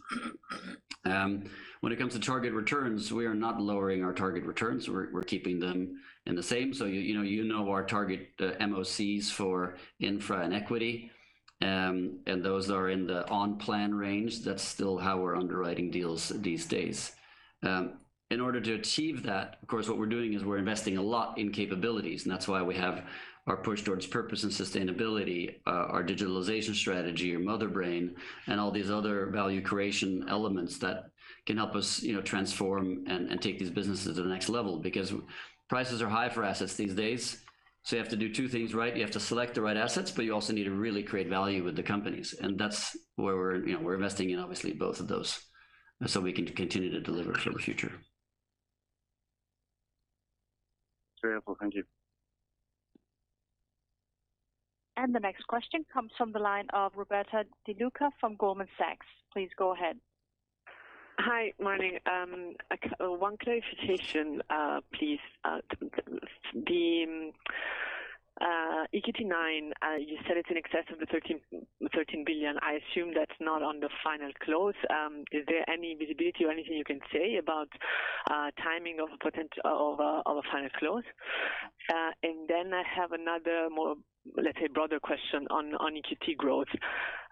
When it comes to target returns, we are not lowering our target returns. We're keeping them in the same. You know our target MOCs for Infra and equity, and those are in the on-plan range. That's still how we're underwriting deals these days. In order to achieve that, of course, what we're doing is we're investing a lot in capabilities, and that's why we have our push towards purpose and sustainability, our digitalization strategy, our Motherbrain, and all these other value creation elements that can help us transform and take these businesses to the next level, because prices are high for assets these days. You have to do two things right. You have to select the right assets, but you also need to really create value with the companies. That's where we're investing in, obviously, both of those so we can continue to deliver for the future. Very helpful. Thank you. The next question comes from the line of Roberta De Luca from Goldman Sachs. Please go ahead. Hi. Morning. One clarification please. The EQT IX, you said it's in excess of 13 billion. I assume that's not on the final close. Is there any visibility or anything you can say about timing of a final close? I have another more, let's say, broader question on EQT Growth.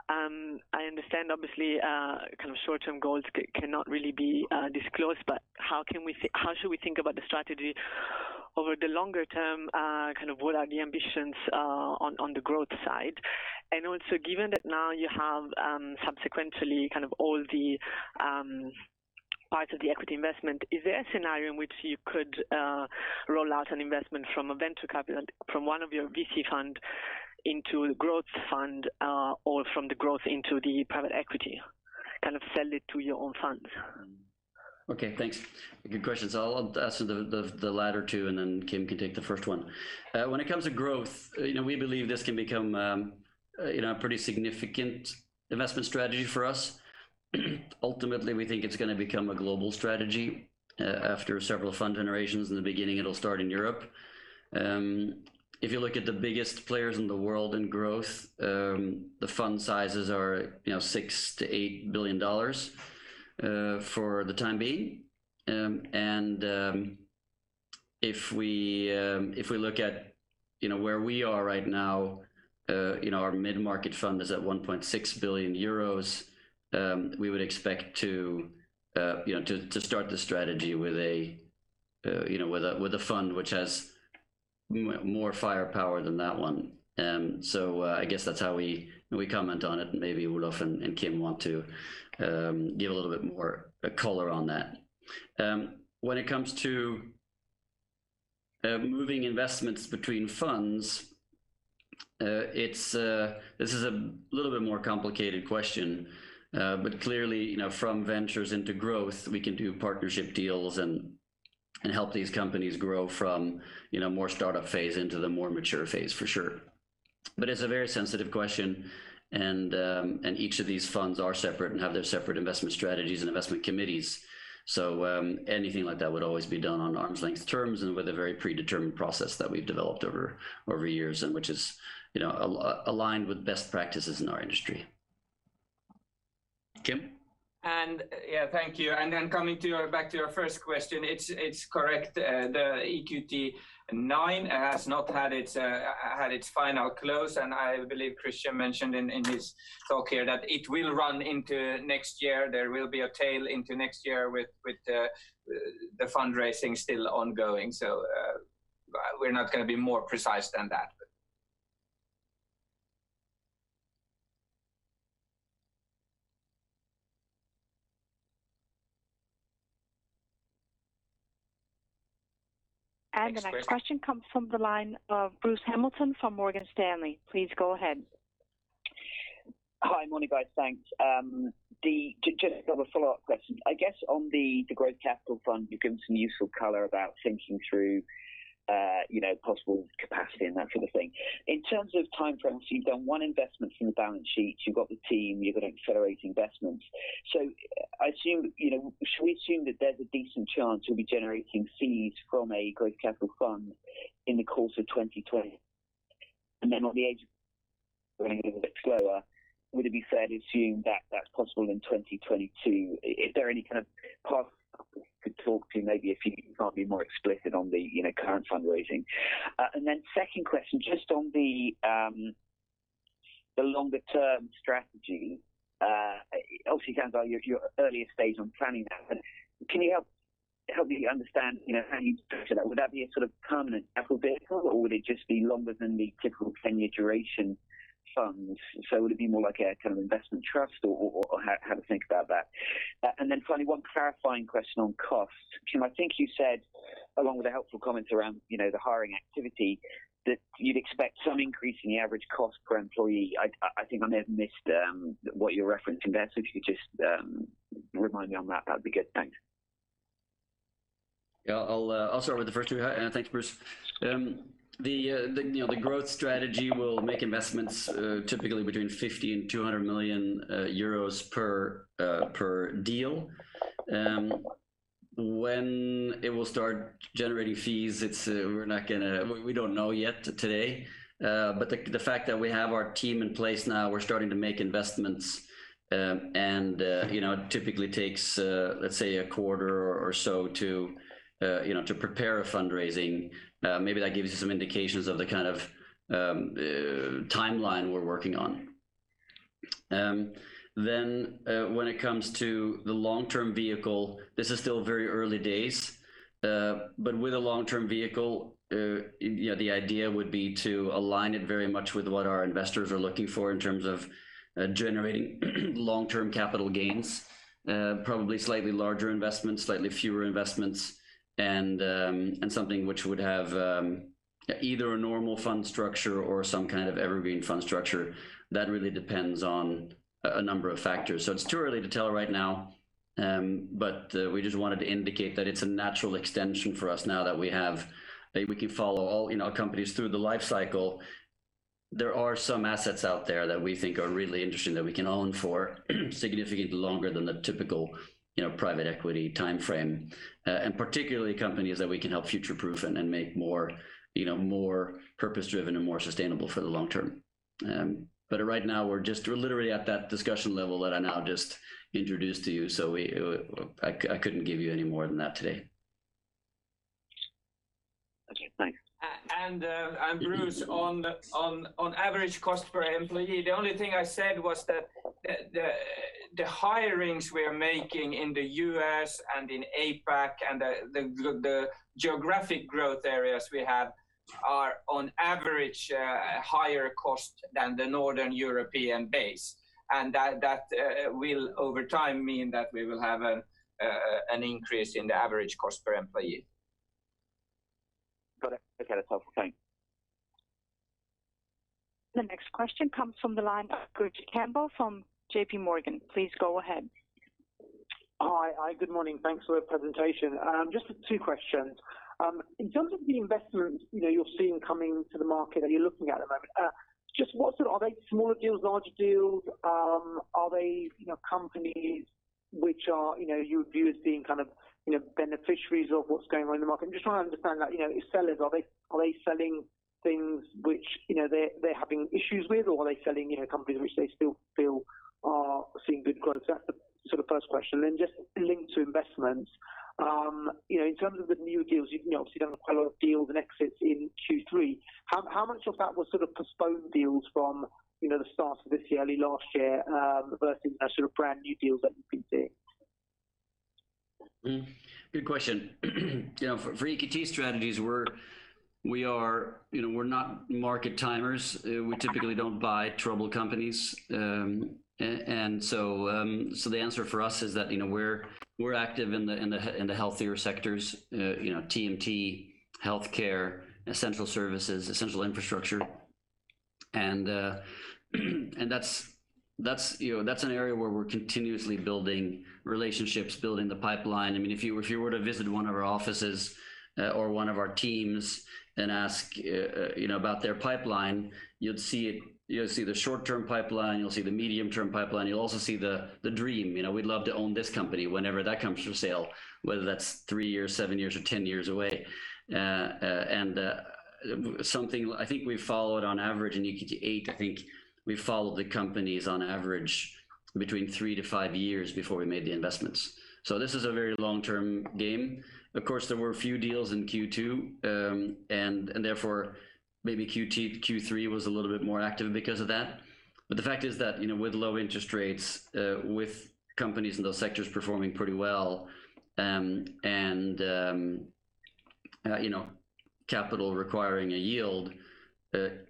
I understand, obviously, kind of short-term goals cannot really be disclosed. How should we think about the strategy over the longer term? Kind of what are the ambitions on the Growth side? Also, given that now you have subsequently kind of all the parts of the equity investment, is there a scenario in which you could roll out an investment from a venture capital, from one of your VC fund into a Growth fund, or from the Growth into the private equity? Kind of sell it to your own funds. Okay, thanks. Good questions. I'll answer the latter two, and then Kim can take the first one. When it comes to growth, we believe this can become a pretty significant investment strategy for us. Ultimately, we think it's going to become a global strategy. After several fund generations in the beginning, it'll start in Europe. If you look at the biggest players in the world in growth, the fund sizes are $6 billion-$8 billion for the time being. If we look at where we are right now, our mid-market fund is at 1.6 billion euros. We would expect to start the strategy with a fund which has more firepower than that one. I guess that's how we comment on it. Maybe Olof and Kim want to give a little bit more color on that. When it comes to moving investments between funds, it's a little bit more complicated question. Clearly, from ventures into growth, we can do partnership deals and help these companies grow from more startup phase into the more mature phase for sure. It's a very sensitive question, and each of these funds are separate and have their separate investment strategies and investment committees. Anything like that would always be done on arm's length terms and with a very predetermined process that we've developed over years, and which is aligned with best practices in our industry. Kim? Yeah, thank you. Coming back to your first question, it's correct. The EQT IX has not had its final close. I believe Christian mentioned in his talk here that it will run into next year. There will be a tail into next year with the fundraising still ongoing. We're not going to be more precise than that. The next question comes from the line of Bruce Hamilton from Morgan Stanley. Please go ahead. Hi. Morning, guys. Thanks. Just got a follow-up question. I guess on the growth capital fund, you've given some useful color about thinking through possible capacity and that sort of thing. In terms of time frames, you've done one investment from the balance sheet, you've got the team, you're going to accelerate investments. Should we assume that there's a decent chance you'll be generating fees from a growth capital fund in the course of 2020? On the edge, running a little bit slower, would it be fair to assume that that's possible in 2022? Is there any kind of path you could talk to, maybe if you can't be more explicit on the current fundraising? Second question, just on the longer-term strategy. Obviously, you're at your earlier stage on planning that, can you help me understand how you'd structure that? Would that be a sort of permanent capital vehicle, or would it just be longer than the typical 10-year duration funds? Would it be more like a kind of investment trust, or how to think about that? Finally, one clarifying question on cost. Kim, I think you said, along with the helpful comments around the hiring activity, that you'd expect some increase in the average cost per employee. I think I may have missed what you were referencing there, if you could just remind me on that'd be good. Thanks. Yeah. I'll start with the first two. Thanks, Bruce. The growth strategy will make investments typically between 50 million and 200 million euros per deal. When it will start generating fees, we don't know yet today. The fact that we have our team in place now, we're starting to make investments, and it typically takes, let's say, a quarter or so to prepare a fundraising. Maybe that gives you some indications of the kind of timeline we're working on. When it comes to the long-term vehicle, this is still very early days. With a long-term vehicle, the idea would be to align it very much with what our investors are looking for in terms of generating long-term capital gains. Probably slightly larger investments, slightly fewer investments, and something which would have either a normal fund structure or some kind of evergreen fund structure. That really depends on a number of factors. It's too early to tell right now, but we just wanted to indicate that it's a natural extension for us now that we can follow all companies through the life cycle. There are some assets out there that we think are really interesting that we can own for significantly longer than the typical private equity timeframe, and particularly companies that we can help future-proof and make more purpose-driven and more sustainable for the long term. Right now, we're just literally at that discussion level that I now just introduced to you, so I couldn't give you any more than that today. Okay, thanks. Bruce, on average cost per employee, the only thing I said was that the hirings we are making in the U.S. and in APAC and the geographic growth areas we have are on average a higher cost than the Northern European base. That will over time mean that we will have an increase in the average cost per employee. Got it. Okay, that's helpful. Thanks. The next question comes from the line of Gurjit Kambo from JPMorgan. Please go ahead. Hi. Good morning. Thanks for the presentation. Just two questions. In terms of the investments that you're seeing coming to the market that you're looking at at the moment, just what sort are they? Smaller deals, larger deals? Are they companies which you would view as being beneficiaries of what's going on in the market. I'm just trying to understand that your sellers, are they selling things which they're having issues with, or are they selling companies which they still feel are seeing good growth? That's the first question. Just linked to investments, in terms of the new deals, obviously you've done quite a lot of deals and exits in Q3, how much of that was postponed deals from the start of this year, early last year, versus brand new deals that you've been seeing? Good question. For EQT Strategies, we're not market timers. We typically don't buy troubled companies. The answer for us is that we're active in the healthier sectors, TMT, healthcare, essential services, essential infrastructure. That's an area where we're continuously building relationships, building the pipeline. If you were to visit one of our offices or one of our teams and ask about their pipeline, you'll see the short-term pipeline, you'll see the medium-term pipeline. You'll also see the dream. We'd love to own this company whenever that comes for sale, whether that's three years, seven years, or 10 years away. I think we followed on average in EQT VIII, I think we followed the companies on average between three to five years before we made the investments. This is a very long-term game. Of course, there were a few deals in Q2, and therefore maybe Q3 was a little bit more active because of that. The fact is that with low interest rates, with companies in those sectors performing pretty well, and capital requiring a yield,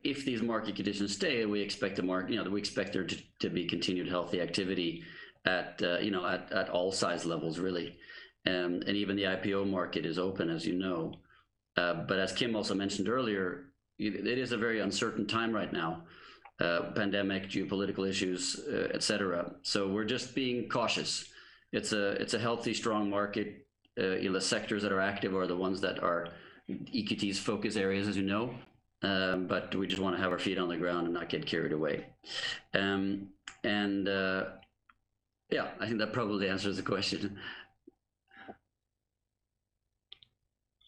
if these market conditions stay, we expect there to be continued healthy activity at all size levels, really. Even the IPO market is open, as you know. As Kim also mentioned earlier, it is a very uncertain time right now. Pandemic, geopolitical issues, et cetera. We're just being cautious. It's a healthy, strong market. The sectors that are active are the ones that are EQT's focus areas, as you know. We just want to have our feet on the ground and not get carried away. Yeah, I think that probably answers the question.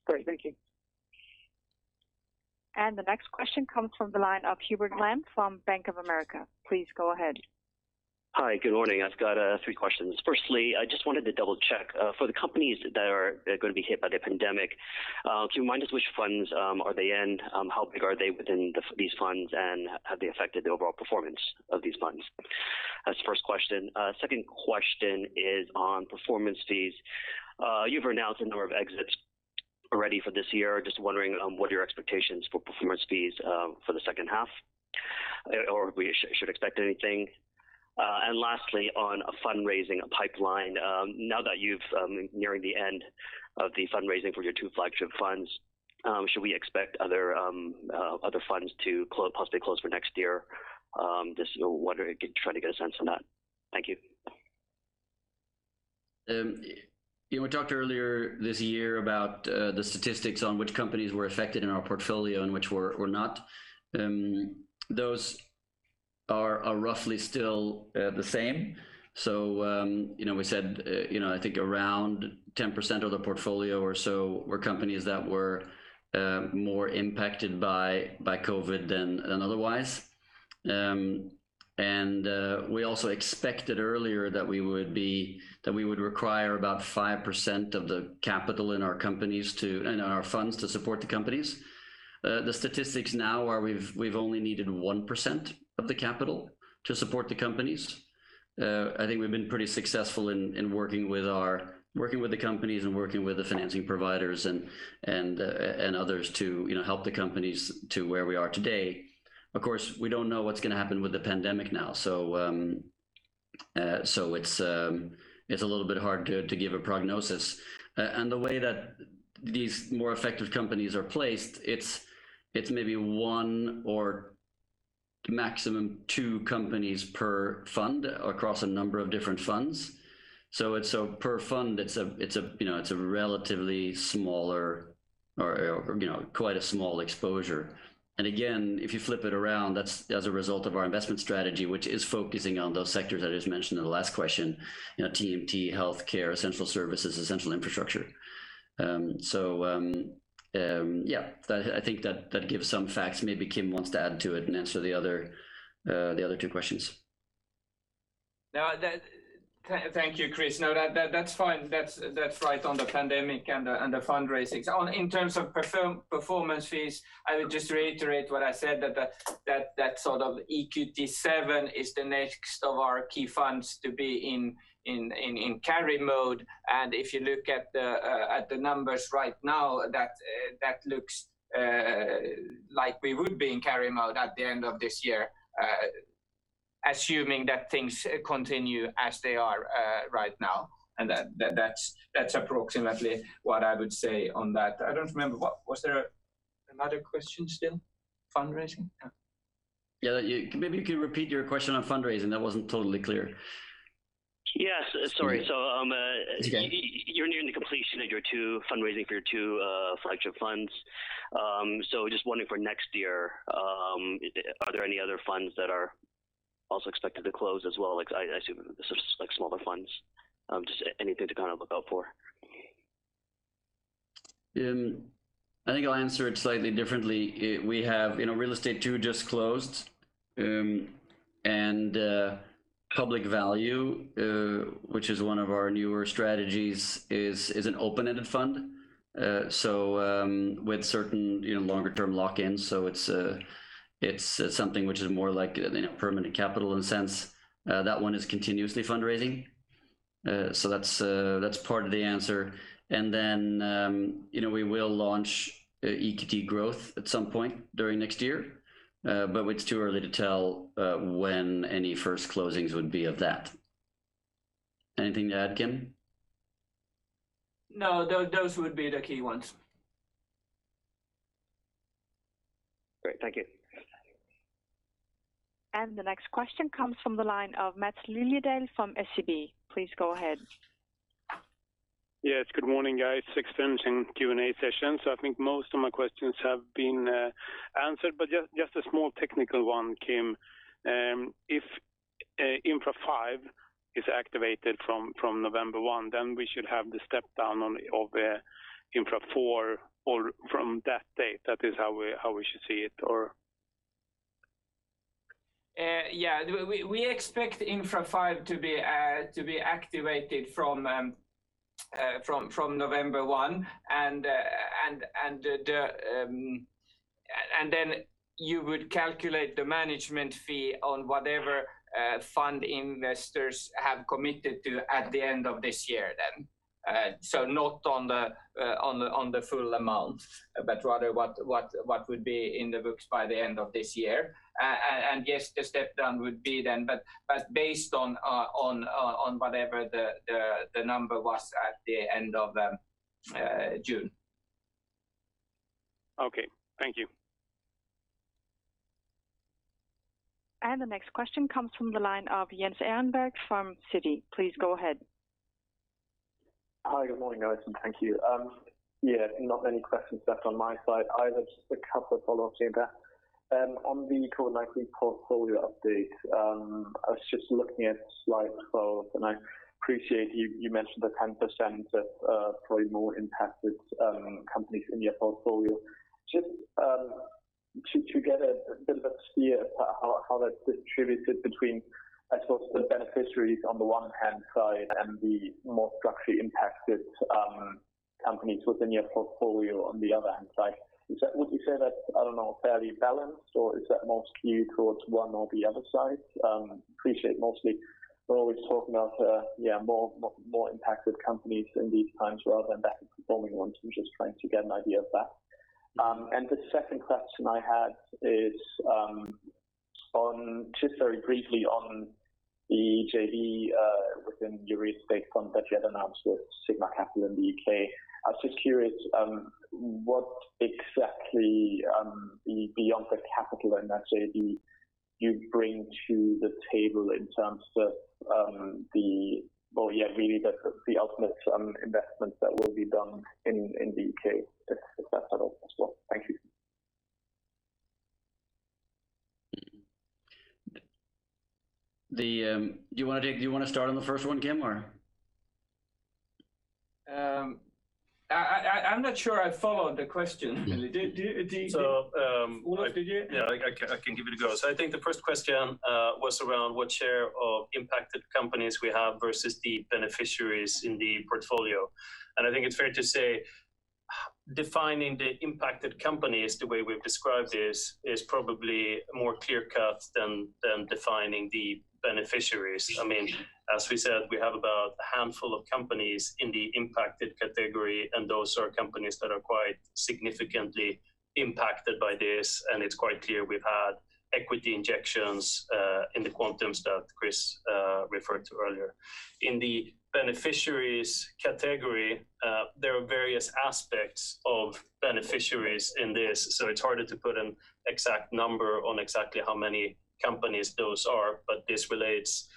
Great. Thank you. The next question comes from the line of Hubert Lam from Bank of America. Please go ahead. Hi. Good morning. I've got three questions. Firstly, I just wanted to double-check. For the companies that are going to be hit by the pandemic, can you remind us which funds are they in, how big are they within these funds, and have they affected the overall performance of these funds? That's the first question. Second question is on performance fees. You've announced a number of exits already for this year. Just wondering what are your expectations for performance fees for the second half, or we should expect anything. Lastly, on a fundraising pipeline. Now that you're nearing the end of the fundraising for your two flagship funds, should we expect other funds to possibly close for next year? Just wondering, trying to get a sense on that. Thank you. We talked earlier this year about the statistics on which companies were affected in our portfolio and which were not. Those are roughly still the same. We said I think around 10% of the portfolio or so were companies that were more impacted by COVID than otherwise. We also expected earlier that we would require about 5% of the capital in our funds to support the companies. The statistics now are we've only needed 1% of the capital to support the companies. I think we've been pretty successful in working with the companies and working with the financing providers and others to help the companies to where we are today. Of course, we don't know what's going to happen with the pandemic now. It's a little bit hard to give a prognosis. The way that these more affected companies are placed, it's maybe one or maximum two companies per fund across a number of different funds. Per fund, it's a relatively smaller or quite a small exposure. Again, if you flip it around, that's as a result of our investment strategy, which is focusing on those sectors that I just mentioned in the last question, TMT, healthcare, essential services, essential infrastructure. Yeah. I think that gives some facts. Maybe Kim wants to add to it and answer the other two questions. Thank you, Chris. No, that's fine. That's right on the pandemic and the fundraising. In terms of performance fees, I would just reiterate what I said, that EQT VII is the next of our key funds to be in carry mode. If you look at the numbers right now, that looks like we would be in carry mode at the end of this year, assuming that things continue as they are right now. That's approximately what I would say on that. I don't remember, was there another question still? Fundraising? Yeah. Yeah. Maybe you could repeat your question on fundraising. That wasn't totally clear. Yes, sorry. It's okay. You're nearing the completion of your two fundraising for your two flagship funds. Just wondering for next year, are there any other funds that are also expected to close as well? I assume this is smaller funds, just anything to look out for. I think I'll answer it slightly differently. We have Real Estate II just closed. Public Value, which is one of our newer strategies, is an open-ended fund, with certain longer-term lock-ins. It's something which is more like permanent capital in a sense. That one is continuously fundraising. That's part of the answer. We will launch EQT Growth at some point during next year. It's too early to tell when any first closings would be of that. Anything to add, Kim? No, those would be the key ones. Great, thank you. The next question comes from the line of Maths Liljedahl from SEB. Please go ahead. Yes, good morning, guys. Sixth time in Q&A session, so I think most of my questions have been answered, but just a small technical one, Kim. If Infra V is activated from November 1, then we should have the step down of Infra IV all from that date. That is how we should see it or? Yeah. We expect Infra V to be activated from November 1. You would calculate the management fee on whatever fund investors have committed to at the end of this year. Not on the full amount, but rather what would be in the books by the end of this year. Yes, the step down would be then, based on whatever the number was at the end of June. Okay, thank you. The next question comes from the line of Jens Ehrenberg from Citi. Please go ahead. Hi. Good morning, guys, and thank you. Yeah, not many questions left on my side, either. Just a couple of follow-ups here. On the quartely portfolio update, I was just looking at slide 12, and I appreciate you mentioned the 10% of probably more impacted companies in your portfolio. Just to get a bit of a steer how that's distributed between, I suppose, the beneficiaries on the one-hand side and the more structurally impacted companies within your portfolio on the other hand side. Would you say that's, I don't know, fairly balanced, or is that more skewed towards one or the other side? Appreciate mostly we're always talking about more impacted companies in these times rather than better performing ones. I'm just trying to get an idea of that. The second question I had is just very briefly on the JV within your real estate fund that you had announced with Sigma Capital in the U.K. I was just curious what exactly, beyond the capital in that JV, you bring to the table in terms of the really the ultimate investments that will be done in the U.K., if that's at all possible. Thank you. Do you want to start on the first one, Kim, or? I'm not sure I followed the question. Olof, did you? I can give it a go. I think the first question was around what share of impacted companies we have versus the beneficiaries in the portfolio. I think it's fair to say defining the impacted companies the way we've described is probably more clear cut than defining the beneficiaries. As we said, we have about a handful of companies in the impacted category, and those are companies that are quite significantly impacted by this, and it's quite clear we've had equity injections in the quantums that Chris referred to earlier. In the beneficiaries category, there are various aspects of beneficiaries in this, so it's harder to put an exact number on exactly how many companies those are. This relates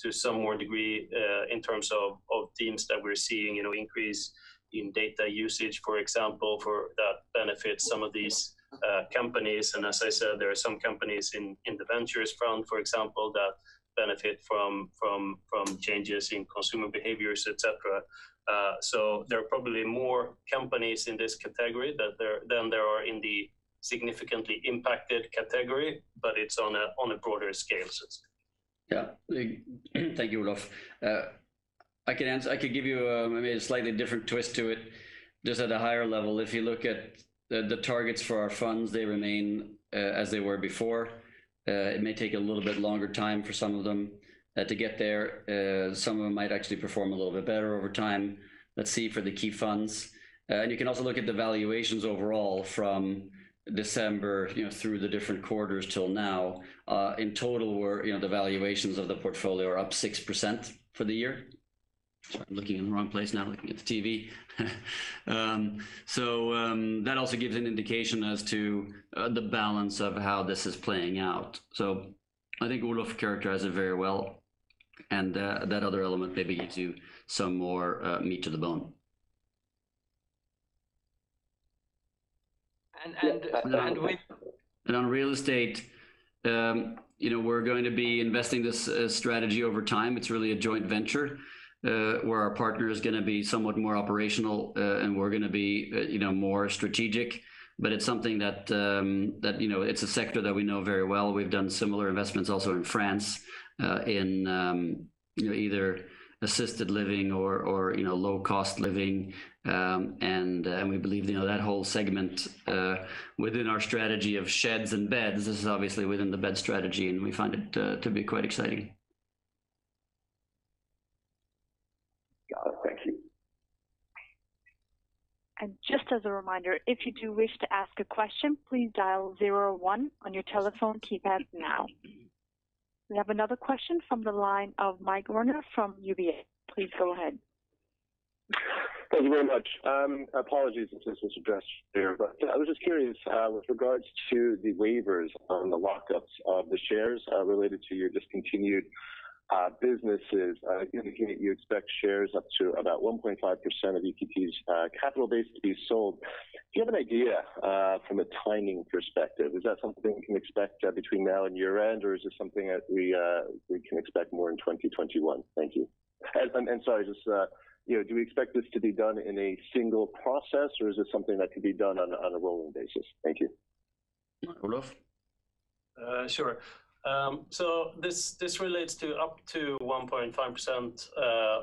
to some more degree in terms of themes that we're seeing, increase in data usage, for example, that benefit some of these companies. As I said, there are some companies in the ventures front, for example, that benefit from changes in consumer behaviors, et cetera. There are probably more companies in this category than there are in the significantly impacted category, but it's on a broader scale. Yeah. Thank you, Olof. I could give you maybe a slightly different twist to it. Just at a higher level, if you look at the targets for our funds, they remain as they were before. It may take a little bit longer time for some of them to get there. Some of them might actually perform a little bit better over time. Let's see for the key funds. You can also look at the valuations overall from December, through the different quarters till now. In total, the valuations of the portfolio are up 6% for the year. Sorry, I'm looking in the wrong place now, looking at the TV. That also gives an indication as to the balance of how this is playing out. I think Olof characterized it very well, and that other element maybe gives you some more meat to the bone. And we. On real estate, we're going to be investing this strategy over time. It's really a joint venture, where our partner is going to be somewhat more operational, and we're going to be more strategic. It's a sector that we know very well. We've done similar investments also in France, in either assisted living or low-cost living. We believe that whole segment within our strategy of sheds and beds, this is obviously within the bed strategy, and we find it to be quite exciting. Got it. Thank you. Just as a reminder, if you do wish to ask a question, please dial zero one on your telephone keypad now. We have another question from the line of Mike Werner from UBS. Please go ahead. Thank you very much. Apologies if this was addressed there, but I was just curious with regards to the waivers on the lockups of the shares related to your discontinued businesses indicating that you expect shares up to about 1.5% of EQT's capital base to be sold. Do you have an idea from a timing perspective? Is that something we can expect between now and year-end, or is this something that we can expect more in 2021? Thank you. Sorry, just do we expect this to be done in a single process, or is this something that could be done on a rolling basis? Thank you. Olof? Sure. This relates to up to 1.5%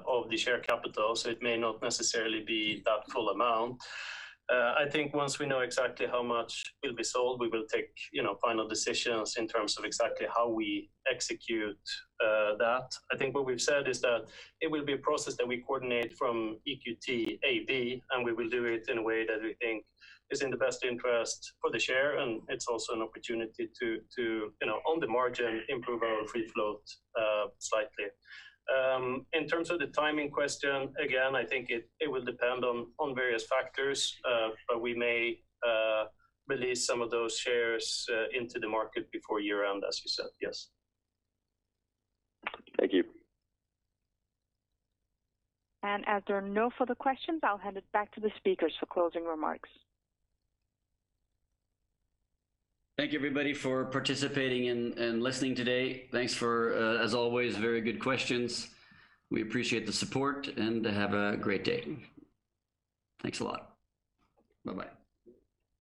of the share capital, so it may not necessarily be that full amount. I think once we know exactly how much will be sold, we will take final decisions in terms of exactly how we execute that. I think what we've said is that it will be a process that we coordinate from EQT AB, and we will do it in a way that we think is in the best interest for the share. It's also an opportunity to, on the margin, improve our free float slightly. In terms of the timing question, again, I think it will depend on various factors, but we may release some of those shares into the market before year-end, as you said. Yes. Thank you. As there are no further questions, I'll hand it back to the speakers for closing remarks. Thank you everybody for participating and listening today. Thanks for, as always, very good questions. We appreciate the support, and have a great day. Thanks a lot. Bye-bye.